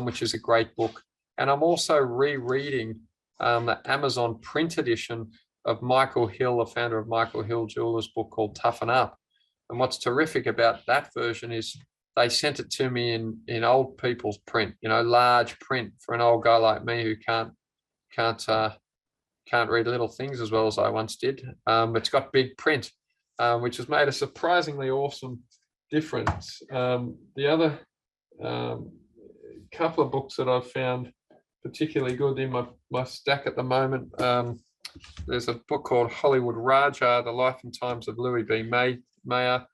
which is a great book. I'm also rereading the Amazon print edition of Michael Hill, the founder of Michael Hill Jeweller's book called "Toughen Up." What's terrific about that version is they sent it to me in old people's print, large print for an old guy like me who can't read little things as well as I once did. It's got big print, which has made a surprisingly awesome difference. The other couple of books that I've found particularly good in my stack at the moment, there's a book called "Hollywood Rajah: The Life and Times of Louis B. Mayer,"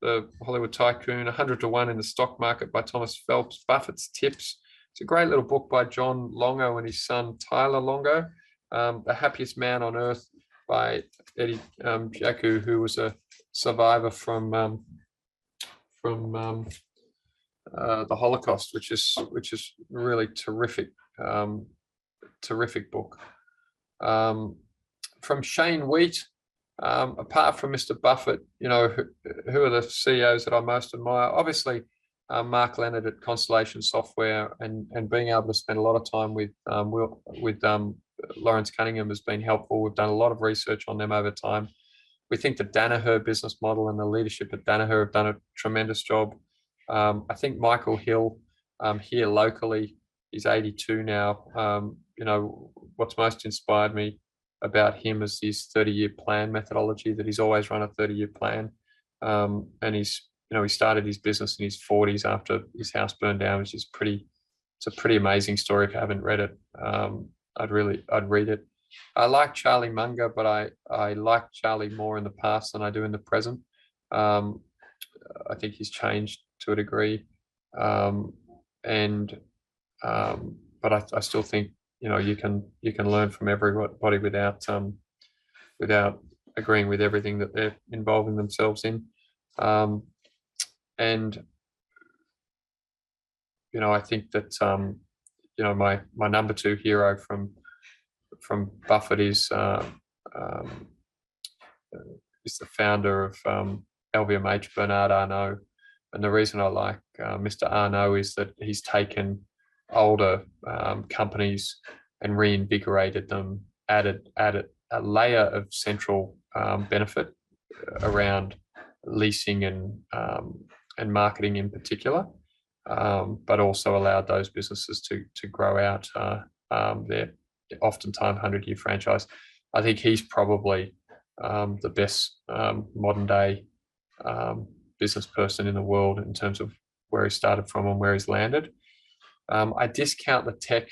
the Hollywood tycoon. "100 to 1 in the Stock Market" by Thomas Phelps. Buffett's Tips." It's a great little book by John Longo and his son, Tyler Longo. "The Happiest Man on Earth" by Eddie Jaku, who was a survivor from the Holocaust, which is a really terrific book. From Shane Wheat, apart from Mr. Buffett, who are the CEOs that I most admire? Obviously, Mark Leonard at Constellation Software and being able to spend a lot of time with Lawrence Cunningham has been helpful. We've done a lot of research on them over time. We think the Danaher business model and the leadership at Danaher have done a tremendous job. I think Michael Hill, here locally, he's 82 now. What's most inspired me about him is his 30-year plan methodology, that he's always run a 30-year plan. He started his business in his 40s after his house burned down, which is a pretty amazing story. If you haven't read it, I'd read it. I like Charlie Munger, but I liked Charlie more in the past than I do in the present. I think he's changed to a degree. I still think you can learn from everybody without agreeing with everything that they're involving themselves in. I think that my number two hero from Buffett is the founder of LVMH, Bernard Arnault. The reason I like Mr. Arnault is that he's taken older companies and reinvigorated them, added a layer of central benefit around leasing and marketing in particular, but also allowed those businesses to grow out their oftentimes 100-year franchise. I think he's probably the best modern-day businessperson in the world in terms of where he started from and where he's landed. I discount the tech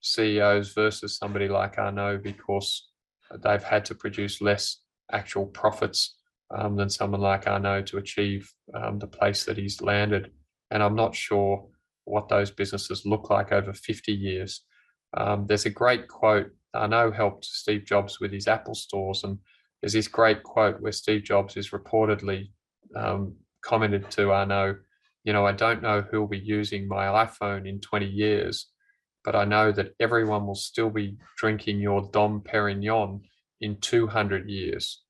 CEOs versus somebody like Arnault because they've had to produce less actual profits than someone like Arnault to achieve the place that he's landed. I'm not sure what those businesses look like over 50 years. There's a great quote. Arnault helped Steve Jobs with his Apple stores, and there's this great quote where Steve Jobs has reportedly commented to Arnault, "I don't know who'll be using my iPhone in 20 years, but I know that everyone will still be drinking your Dom Pérignon in 200 years."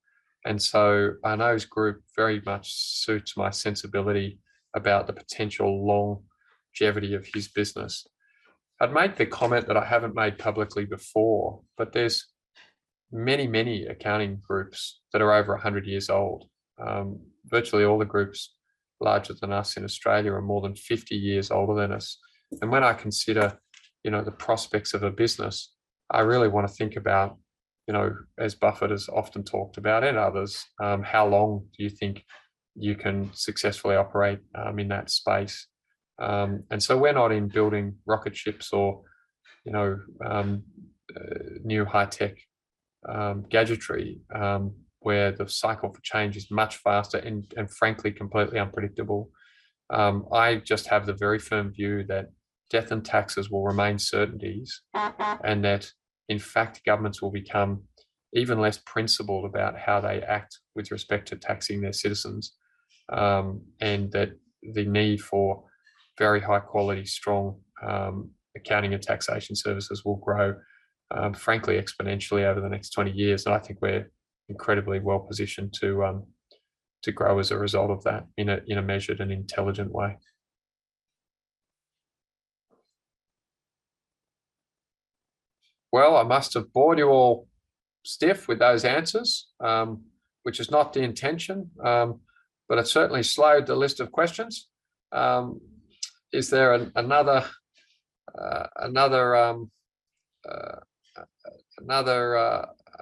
Arnault's group very much suits my sensibility about the potential longevity of his business. I'd make the comment that I haven't made publicly before, but there's many, many accounting groups that are over 100 years old. Virtually all the groups larger than us in Australia are more than 50 years older than us. When I consider the prospects of a business, I really want to think about, as Buffett has often talked about and others, how long do you think you can successfully operate in that space? We're not into building rocket ships or new high-tech gadgetry, where the cycle for change is much faster and frankly, completely unpredictable. I just have the very firm view that death and taxes will remain certainties, and that in fact, governments will become even less principled about how they act with respect to taxing their citizens. The need for very high-quality, strong accounting and taxation services will grow, frankly, exponentially over the next 20 years. I think we're incredibly well-positioned to grow as a result of that in a measured and intelligent way. Well, I must have bored you all stiff with those answers, which is not the intention, but it certainly slowed the list of questions. Is there another?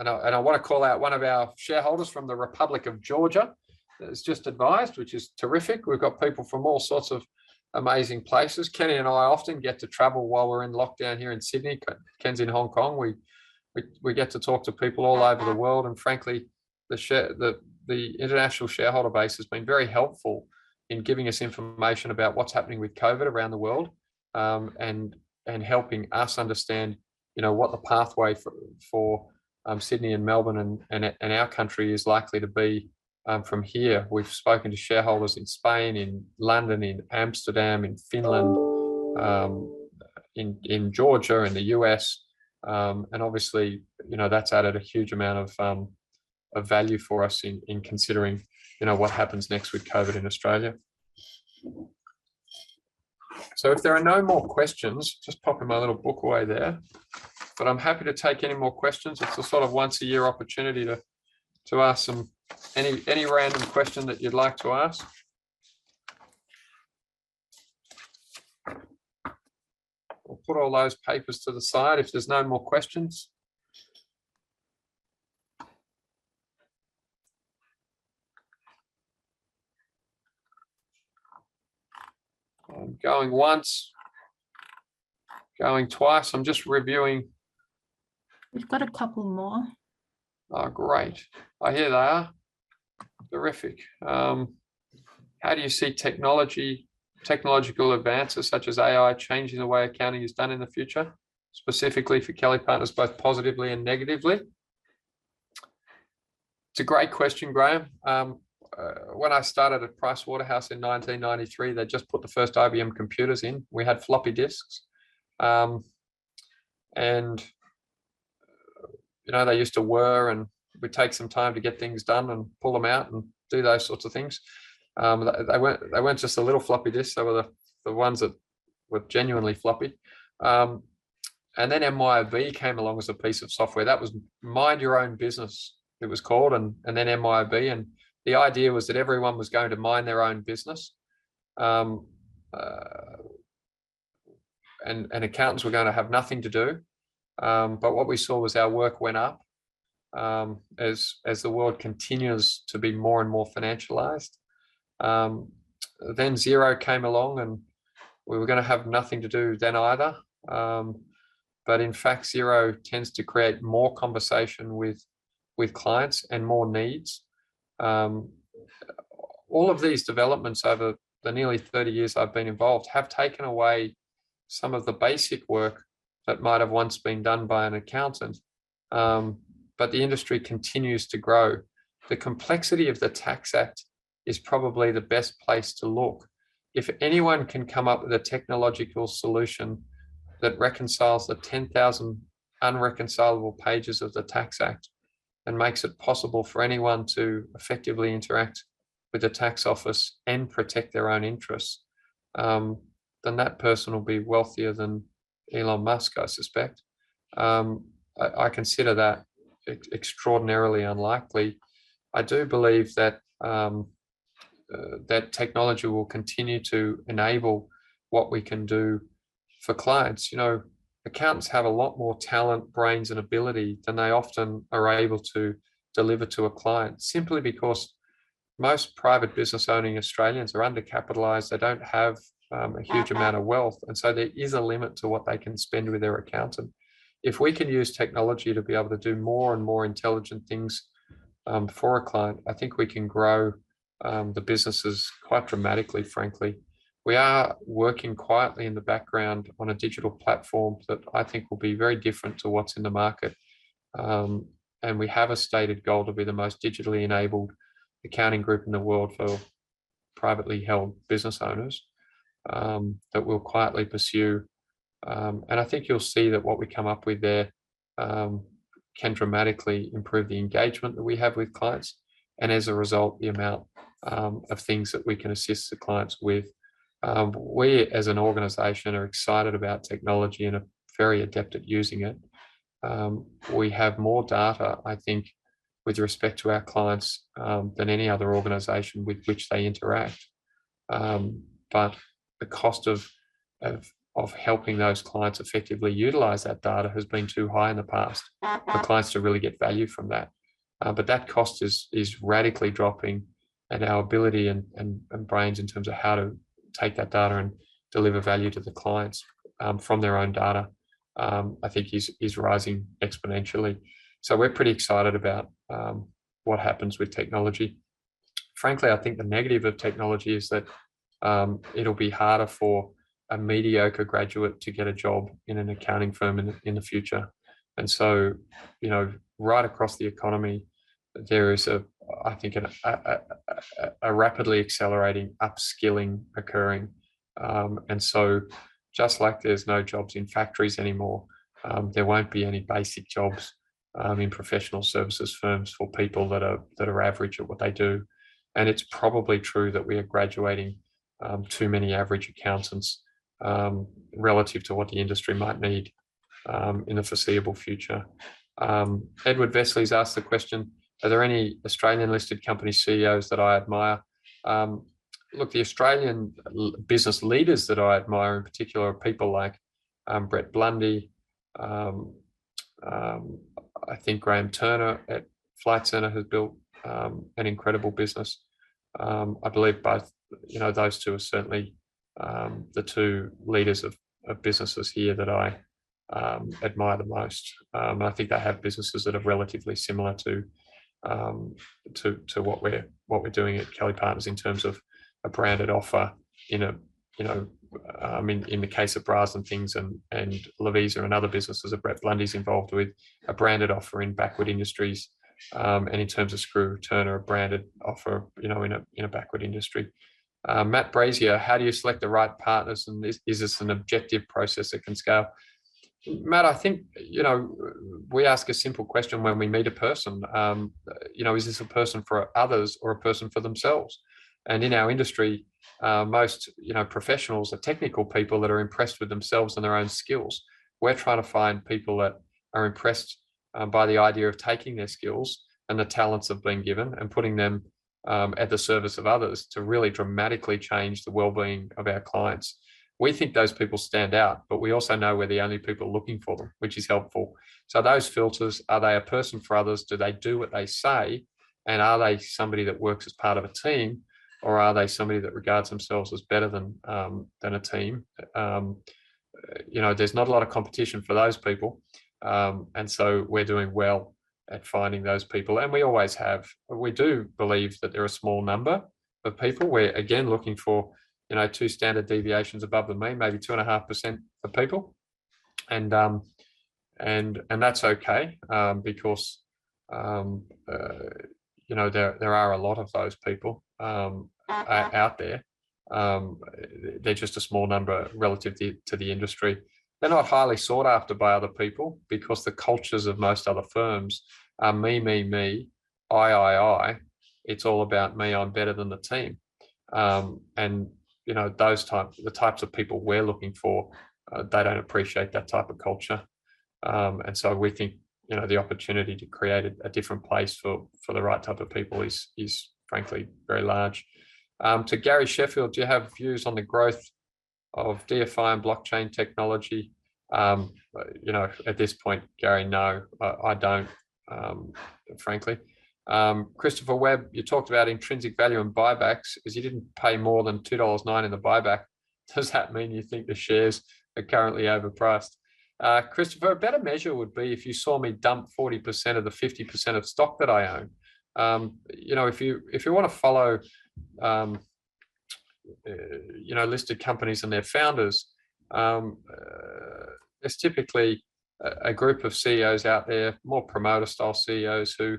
I want to call out one of our shareholders from the Republic of Georgia that's just advised, which is terrific. We've got people from all sorts of amazing places. Kenny and I often get to travel while we're in lockdown here in Sydney. Ken's in Hong Kong. We get to talk to people all over the world, and frankly, the international shareholder base has been very helpful in giving us information about what's happening with COVID around the world, and helping us understand what the pathway for Sydney and Melbourne and our country is likely to be from here. We've spoken to shareholders in Spain, in London, in Amsterdam, in Finland, in Georgia, in the U.S. obviously, that's added a huge amount of value for us in considering what happens next with COVID in Australia. If there are no more questions, just popping my little book away there, I'm happy to take any more questions. It's a sort of once-a-year opportunity to ask any random question that you'd like to ask. I'll put all those papers to the side if there's no more questions. I'm going once, going twice. I'm just reviewing. We've got a couple more. Great. Here they are. Terrific. How do you see technological advances such as AI changing the way accounting is done in the future, specifically for Kelly Partners, both positively and negatively? It's a great question, Graham. When I started at Price Waterhouse in 1993, they'd just put the first IBM computers in. We had floppy disks. They used to whir, and we'd take some time to get things done and pull them out and do those sorts of things. They weren't just the little floppy disks. They were the ones that were genuinely floppy. Then MYOB came along as a piece of software. That was Mind Your Own Business, it was called, and then MYOB, and the idea was that everyone was going to mind their own business, and accountants were going to have nothing to do. What we saw was our work went up as the world continues to be more and more financialized. Then Xero came along, and we were going to have nothing to do then either. In fact, Xero tends to create more conversation with clients and more needs. All of these developments over the nearly 30 years I've been involved have taken away some of the basic work that might have once been done by an accountant, but the industry continues to grow. The complexity of the Tax Act is probably the best place to look. If anyone can come up with a technological solution that reconciles the 10,000 unreconcilable pages of the Tax Act and makes it possible for anyone to effectively interact with the Tax Office and protect their own interests, then that person will be wealthier than Elon Musk, I suspect. I consider that extraordinarily unlikely. I do believe that technology will continue to enable what we can do for clients. Accountants have a lot more talent, brains, and ability than they often are able to deliver to a client, simply because most private business-owning Australians are under-capitalized. They don't have a huge amount of wealth, and so there is a limit to what they can spend with their accountant. If we can use technology to be able to do more and more intelligent things for a client, I think we can grow the businesses quite dramatically, frankly. We are working quietly in the background on a digital platform that I think will be very different to what's in the market. We have a stated goal to be the most digitally enabled accounting group in the world for privately held business owners, that we'll quietly pursue. I think you'll see that what we come up with there can dramatically improve the engagement that we have with clients, and as a result, the amount of things that we can assist the clients with. We, as an organization, are excited about technology and are very adept at using it. We have more data, I think, with respect to our clients, than any other organization with which they interact. The cost of helping those clients effectively utilize that data has been too high in the past for clients to really get value from that. That cost is radically dropping, and our ability and brains in terms of how to take that data and deliver value to the clients from their own data, I think is rising exponentially. We're pretty excited about what happens with technology. Frankly, I think the negative of technology is that it'll be harder for a mediocre graduate to get a job in an accounting firm in the future. Right across the economy, there is, I think, a rapidly accelerating upskilling occurring. Just like there's no jobs in factories anymore, there won't be any basic jobs in professional services firms for people that are average at what they do. It's probably true that we are graduating too many average accountants relative to what the industry might need in the foreseeable future. Edward Vesely's asked the question, "Are there any Australian-listed company CEOs that I admire?" Look, the Australian business leaders that I admire, in particular, are people like Brett Blundy. I think Graham Turner at Flight Centre has built an incredible business. I believe those two are certainly the two leaders of businesses here that I admire the most. I think they have businesses that are relatively similar to what we're doing at Kelly Partners in terms of a branded offer in the case of Bras N Things and Lovisa and other businesses that Brett Blundy's involved with. A branded offer in backward industries. In terms of Graham Turner, a branded offer in a backward industry. Matt Brazier, "How do you select the right partners, and is this an objective process that can scale?" Matt, I think we ask a simple question when we meet a person. Is this a person for others or a person for themselves? In our industry, most professionals are technical people that are impressed with themselves and their own skills. We're trying to find people that are impressed by the idea of taking their skills and the talents they've been given and putting them at the service of others to really dramatically change the wellbeing of our clients. We think those people stand out, but we also know we're the only people looking for them, which is helpful. Those filters, are they a person for others? Do they do what they say? Are they somebody that works as part of a team, or are they somebody that regards themselves as better than a team? There's not a lot of competition for those people. We're doing well at finding those people, and we always have. We do believe that they're a small number of people. We're, again, looking for two standard deviations above the mean, maybe 2.5% of people. That's okay, because there are a lot of those people out there. They're just a small number relative to the industry. They're not highly sought after by other people because the cultures of most other firms are, "Me, me, I, I. It's all about me. I'm better than the team." The types of people we're looking for, they don't appreciate that type of culture. We think the opportunity to create a different place for the right type of people is frankly very large. To Gary Sheffield, "Do you have views on the growth of DeFi and blockchain technology?" At this point, Gary, no, I don't, frankly. Christopher Webb, "You talked about intrinsic value and buybacks. As you didn't pay more than 2.9 dollars in the buyback, does that mean you think the shares are currently overpriced?" Christopher, a better measure would be if you saw me dump 40% of the 50% of stock that I own. If you want to follow listed companies and their founders. It's typically a group of CEOs out there, more promoter-style CEOs, who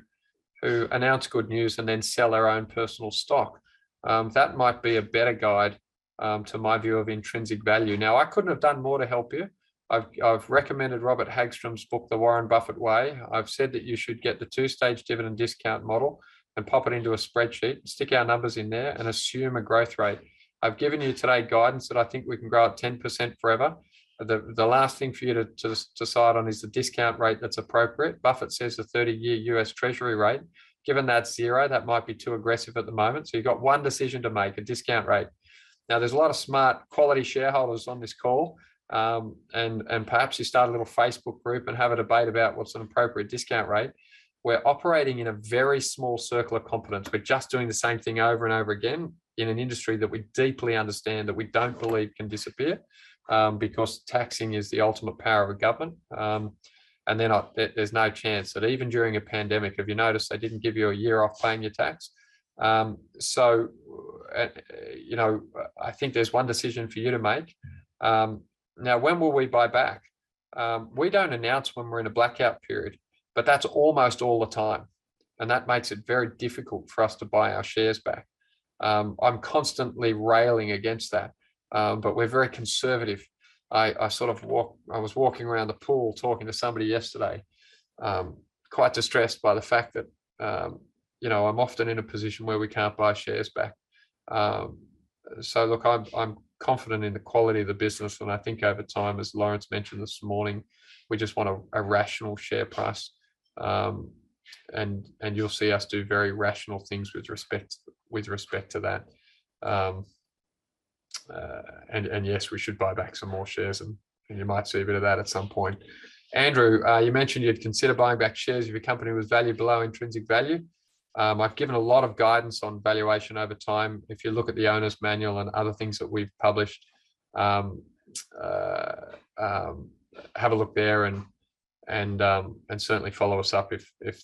announce good news and then sell their own personal stock. That might be a better guide to my view of intrinsic value. I couldn't have done more to help you. I've recommended Robert Hagstrom's book, "The Warren Buffett Way." I've said that you should get the two-stage dividend discount model and pop it into a spreadsheet, stick our numbers in there, and assume a growth rate. I've given you today guidance that I think we can grow at 10% forever. The last thing for you to decide on is the discount rate that's appropriate. Buffett says the 30-year U.S. Treasury rate. Given that's zero, that might be too aggressive at the moment. You've got one decision to make, a discount rate. Now, there's a lot of smart quality shareholders on this call. Perhaps you start a little Facebook group and have a debate about what's an appropriate discount rate. We're operating in a very small circle of competence. We're just doing the same thing over and over again in an industry that we deeply understand, that we don't believe can disappear, because taxing is the ultimate power of a government. There's no chance that even during a pandemic, have you noticed they didn't give you a year off paying your tax? I think there's one decision for you to make. When will we buy back? We don't announce when we're in a blackout period, but that's almost all the time, and that makes it very difficult for us to buy our shares back. I'm constantly railing against that. We're very conservative. I was walking around the pool talking to somebody yesterday, quite distressed by the fact that I'm often in a position where we can't buy shares back. Look, I'm confident in the quality of the business, and I think over time, as Lawrence mentioned this morning, we just want a rational share price. You'll see us do very rational things with respect to that. Yes, we should buy back some more shares, and you might see a bit of that at some point. Andrew, you mentioned you'd consider buying back shares if your company was valued below intrinsic value. I've given a lot of guidance on valuation over time. If you look at the owner's manual and other things that we've published, have a look there and certainly follow us up if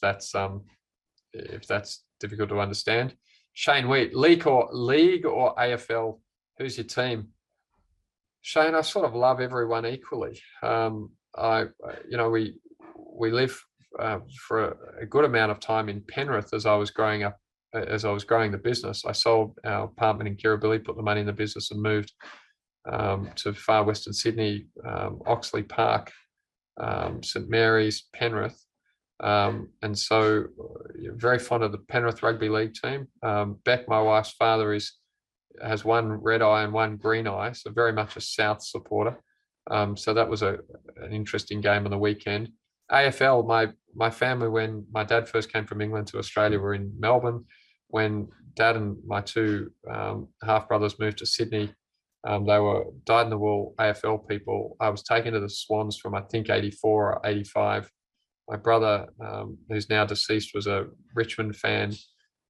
that's difficult to understand. Shane Wheat, "League or AFL, who's your team?" Shane, I sort of love everyone equally. We lived for a good amount of time in Penrith as I was growing the business. I sold our apartment in Kirribilli, put the money in the business and moved to far western Sydney, Oxley Park, St Marys, Penrith. Very fond of the Penrith rugby league team. Bec, my wife's father has one red eye and one green eye, so very much a South supporter. That was an interesting game on the weekend. AFL, my family, when my dad first came from England to Australia, were in Melbourne. When dad and my two half-brothers moved to Sydney, they were dyed-in-the-wool AFL people. I was taken to the Swans from, I think 1984 or 1985. My brother, who's now deceased, was a Richmond fan.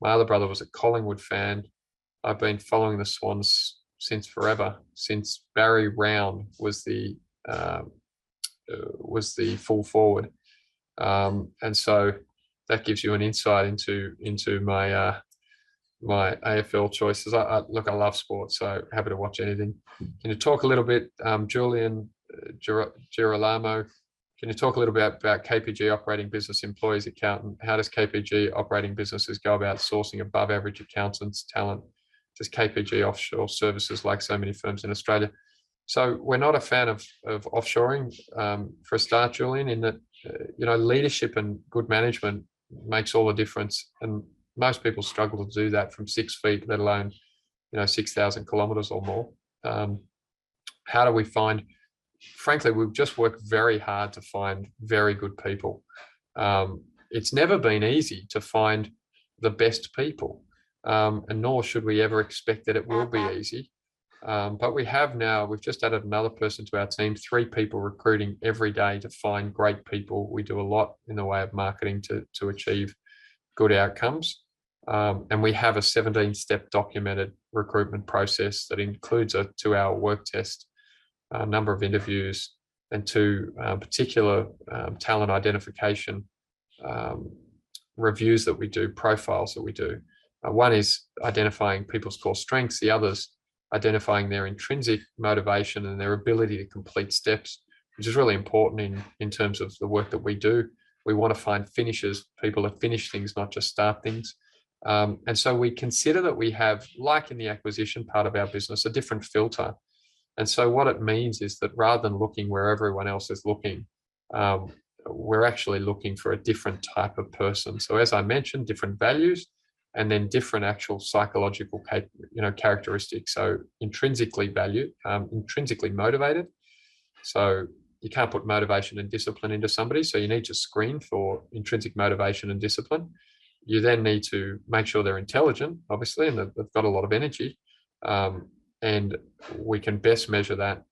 My other brother was a Collingwood fan. I've been following the Swans since forever, since Barry Round was the full forward. That gives you an insight into my AFL choices. I love sport, happy to watch anything. Julian Girolamo, "Can you talk a little bit about KPG operating business employees accounting? How does KPG operating businesses go about sourcing above-average accountants talent? Does KPG offshore services like so many firms in Australia?" We're not a fan of offshoring, for a start, Julian, in that leadership and good management makes all the difference, and most people struggle to do that from six feet, let alone 6,000 kilometers or more. Frankly, we've just worked very hard to find very good people. It's never been easy to find the best people. Nor should we ever expect that it will be easy. We have now, we've just added another person to our team, three people recruiting every day to find great people. We do a lot in the way of marketing to achieve good outcomes. We have a 17-step documented recruitment process that includes a two-hour work test, a number of interviews, and two particular talent identification reviews that we do, profiles that we do. One is identifying people's core strengths, the other's identifying their intrinsic motivation and their ability to complete steps, which is really important in terms of the work that we do. We want to find finishers, people that finish things, not just start things. We consider that we have, like in the acquisition part of our business, a different filter. What it means is that rather than looking where everyone else is looking, we're actually looking for a different type of person. As I mentioned, different values and then different actual psychological characteristics. Intrinsically valued, intrinsically motivated. You can't put motivation and discipline into somebody, so you need to screen for intrinsic motivation and discipline. You then need to make sure they're intelligent, obviously, and they've got a lot of energy. We can best measure that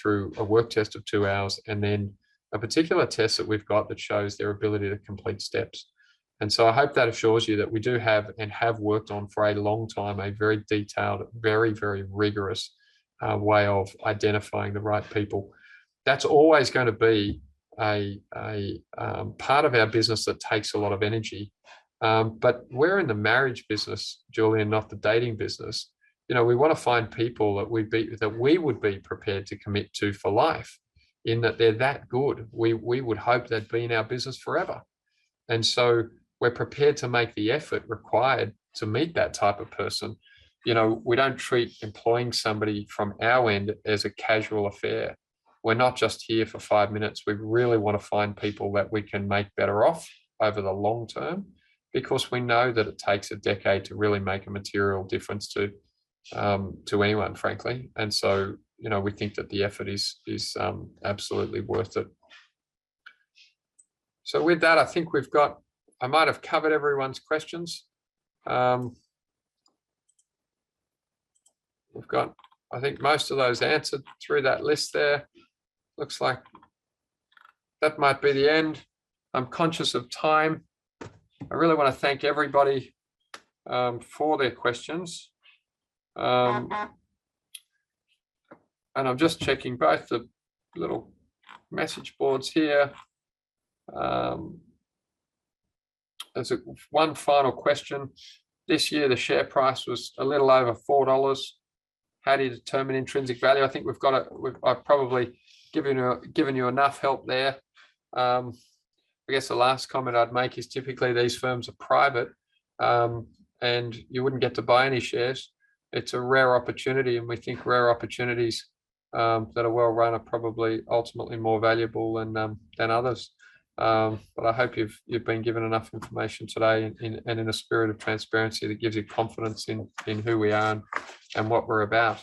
through a work test of two hours and then a particular test that we've got that shows their ability to complete steps. I hope that assures you that we do have and have worked on for a long time, a very detailed, very rigorous way of identifying the right people. That's always going to be a part of our business that takes a lot of energy. We're in the marriage business, Julian, not the dating business. We want to find people that we would be prepared to commit to for life in that they're that good. We would hope they'd be in our business forever. We're prepared to make the effort required to meet that type of person. We don't treat employing somebody from our end as a casual affair. We're not just here for 5 minutes. We really want to find people that we can make better off over the long term, because we know that it takes a decade to really make a material difference to anyone, frankly. We think that the effort is absolutely worth it. With that, I think I might have covered everyone's questions. We've got, I think, most of those answered through that list there. Looks like that might be the end. I'm conscious of time. I really want to thank everybody for their questions. I'm just checking both the little message boards here. There's 1 final question. This year, the share price was a little over 4 dollars. How do you determine intrinsic value? I think I've probably given you enough help there. I guess the last comment I'd make is typically these firms are private, and you wouldn't get to buy any shares. It's a rare opportunity, and we think rare opportunities that are well-run are probably ultimately more valuable than others. I hope you've been given enough information today in the spirit of transparency that gives you confidence in who we are and what we're about.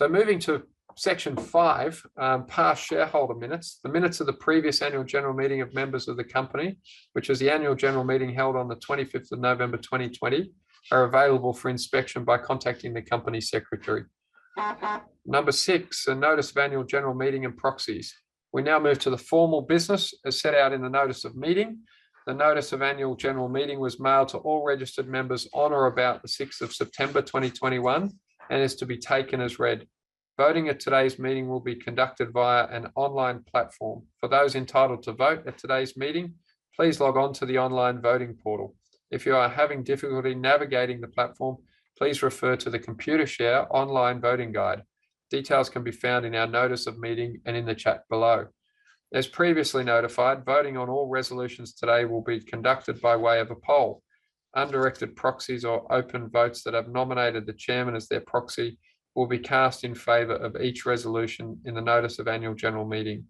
Moving to section five, past shareholder minutes. The minutes of the previous annual general meeting of members of the company, which was the annual general meeting held on the 25th of November 2020, are available for inspection by contacting the company secretary. Number six, a notice of annual general meeting and proxies. We now move to the formal business as set out in the notice of meeting. The notice of annual general meeting was mailed to all registered members on or about the 6th of September 2021 and is to be taken as read. Voting at today's meeting will be conducted via an online platform. For those entitled to vote at today's meeting, please log on to the online voting portal. If you are having difficulty navigating the platform, please refer to the Computershare online voting guide. Details can be found in our notice of meeting and in the chat below. As previously notified, voting on all resolutions today will be conducted by way of a poll. Undirected proxies or open votes that have nominated the chairman as their proxy will be cast in favor of each resolution in the notice of annual general meeting.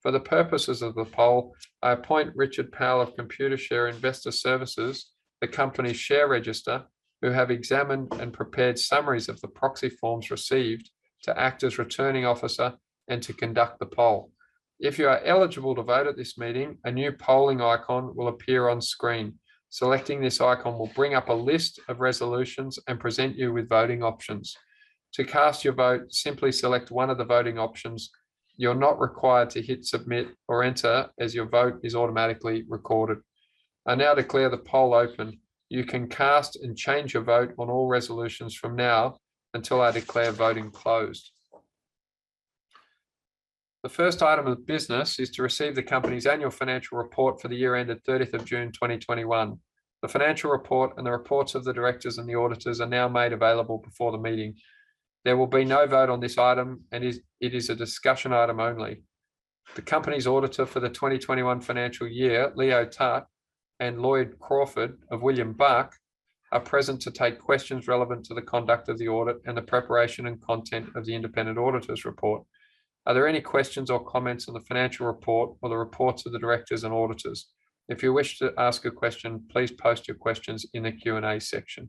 For the purposes of the poll, I appoint Richard Powell of Computershare Investor Services, the company's share register, who have examined and prepared summaries of the proxy forms received to act as returning officer and to conduct the poll. If you are eligible to vote at this meeting, a new polling icon will appear on screen. Selecting this icon will bring up a list of resolutions and present you with voting options. To cast your vote, simply select one of the voting options. You are not required to hit submit or enter as your vote is automatically recorded. I now declare the poll open. You can cast and change your vote on all resolutions from now until I declare voting closed. The first item of business is to receive the company's annual financial report for the year ended 30th of June 2021. The financial report and the reports of the directors and the auditors are now made available before the meeting. There will be no vote on this item, and it is a discussion item only. The company's auditor for the 2021 financial year, Leo Tutt and Lloyd Crawford of William Buck, are present to take questions relevant to the conduct of the audit and the preparation and content of the independent auditor's report. Are there any questions or comments on the financial report or the reports of the directors and auditors? If you wish to ask a question, please post your questions in the Q&A section.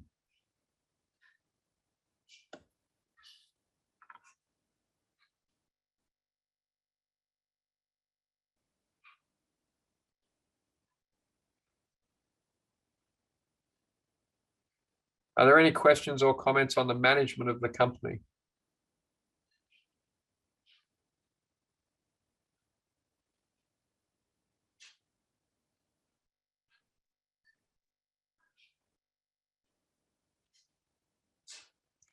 Are there any questions or comments on the management of the company?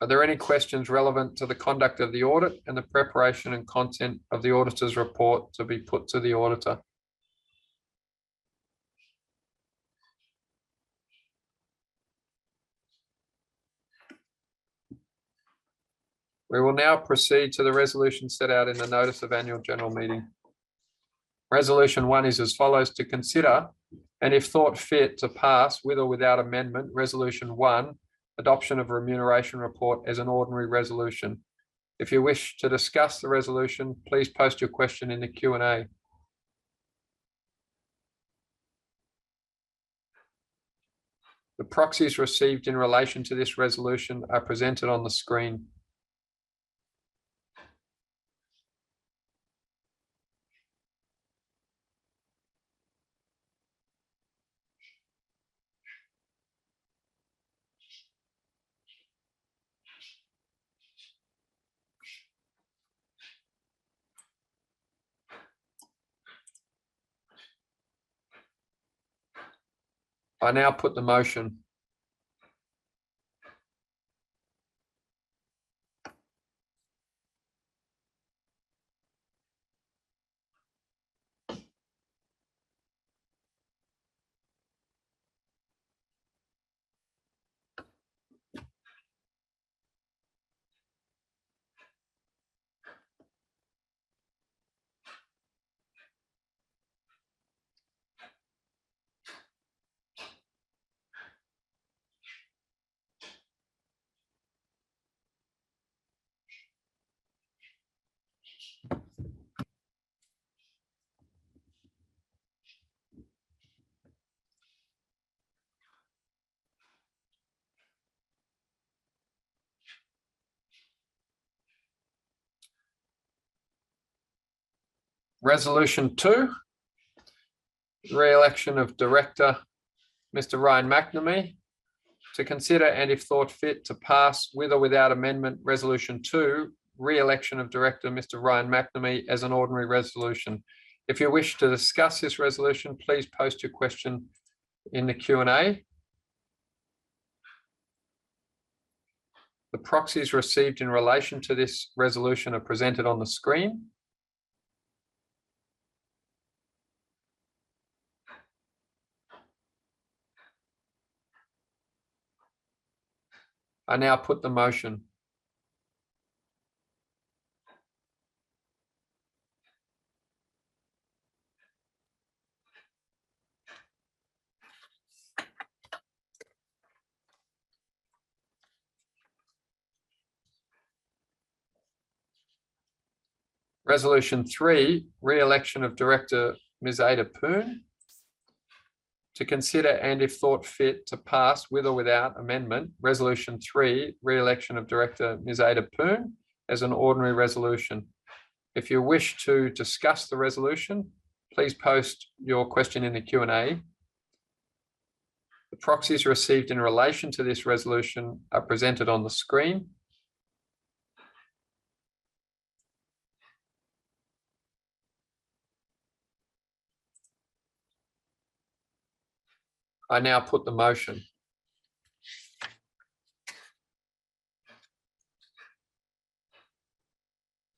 Are there any questions relevant to the conduct of the audit and the preparation and content of the auditor's report to be put to the auditor? We will now proceed to the resolution set out in the notice of annual general meeting. Resolution one is as follows: to consider, and if thought fit, to pass with or without amendment, resolution one, adoption of remuneration report as an ordinary resolution. If you wish to discuss the resolution, please post your question in the Q&A. The proxies received in relation to this resolution are presented on the screen. I now put the motion. Resolution two, re-election of Director Mr. Ryan Macnamee. To consider, and if thought fit, to pass with or without amendment resolution two, re-election of Director Mr. Ryan Macnamee as an ordinary resolution. If you wish to discuss this resolution, please post your question in the Q&A. The proxies received in relation to this resolution are presented on the screen. I now put the motion. Resolution three, re-election of Director Ms. Ada Poon. To consider, and if thought fit, to pass with or without amendment resolution three, re-election of Director Ms. Ada Poon as an ordinary resolution. If you wish to discuss the resolution, please post your question in the Q&A. The proxies received in relation to this resolution are presented on the screen. I now put the motion.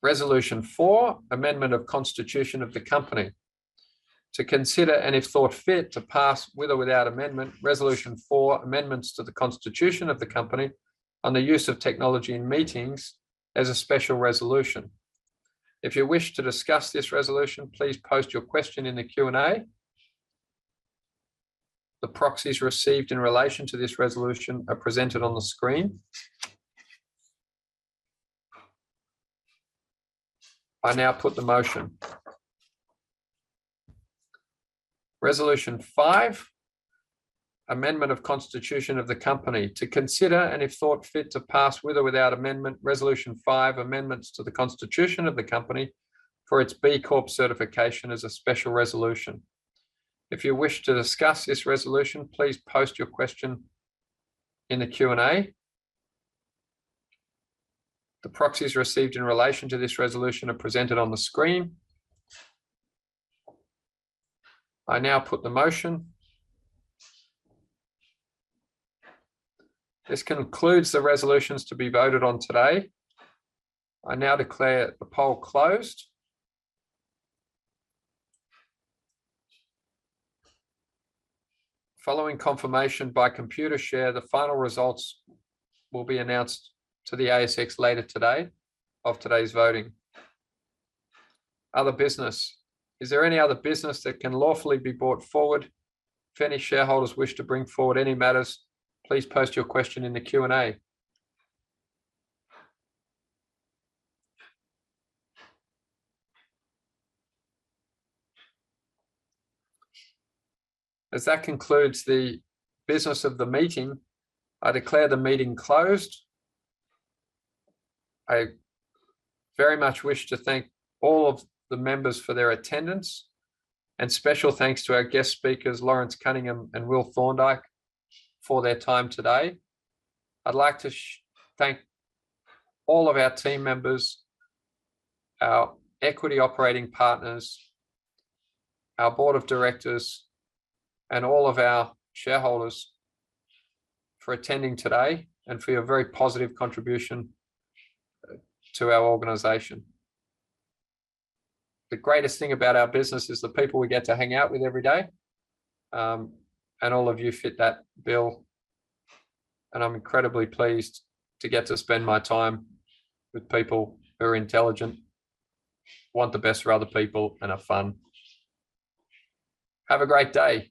Resolution four, amendment of constitution of the company. To consider, and if thought fit, to pass with or without amendment resolution four, amendments to the constitution of the company on the use of technology in meetings as a special resolution. If you wish to discuss this resolution, please post your question in the Q&A. The proxies received in relation to this resolution are presented on the screen. I now put the motion. Resolution five, amendment of constitution of the company. To consider, and if thought fit, to pass with or without amendment resolution five, amendments to the constitution of the company for its B Corp certification as a special resolution. If you wish to discuss this resolution, please post your question in the Q&A. The proxies received in relation to this resolution are presented on the screen. I now put the motion. This concludes the resolutions to be voted on today. I now declare the poll closed. Following confirmation by Computershare, the final results will be announced to the ASX later today of today's voting. Other business. Is there any other business that can lawfully be brought forward? If any shareholders wish to bring forward any matters, please post your question in the Q&A. As that concludes the business of the meeting, I declare the meeting closed. I very much wish to thank all of the members for their attendance, and special thanks to our guest speakers, Lawrence Cunningham and Will Thorndike, for their time today. I'd like to thank all of our team members, our equity operating partners, our board of directors, and all of our shareholders for attending today and for your very positive contribution to our organization. The greatest thing about our business is the people we get to hang out with every day, and all of you fit that bill, and I'm incredibly pleased to get to spend my time with people who are intelligent, want the best for other people, and are fun. Have a great day.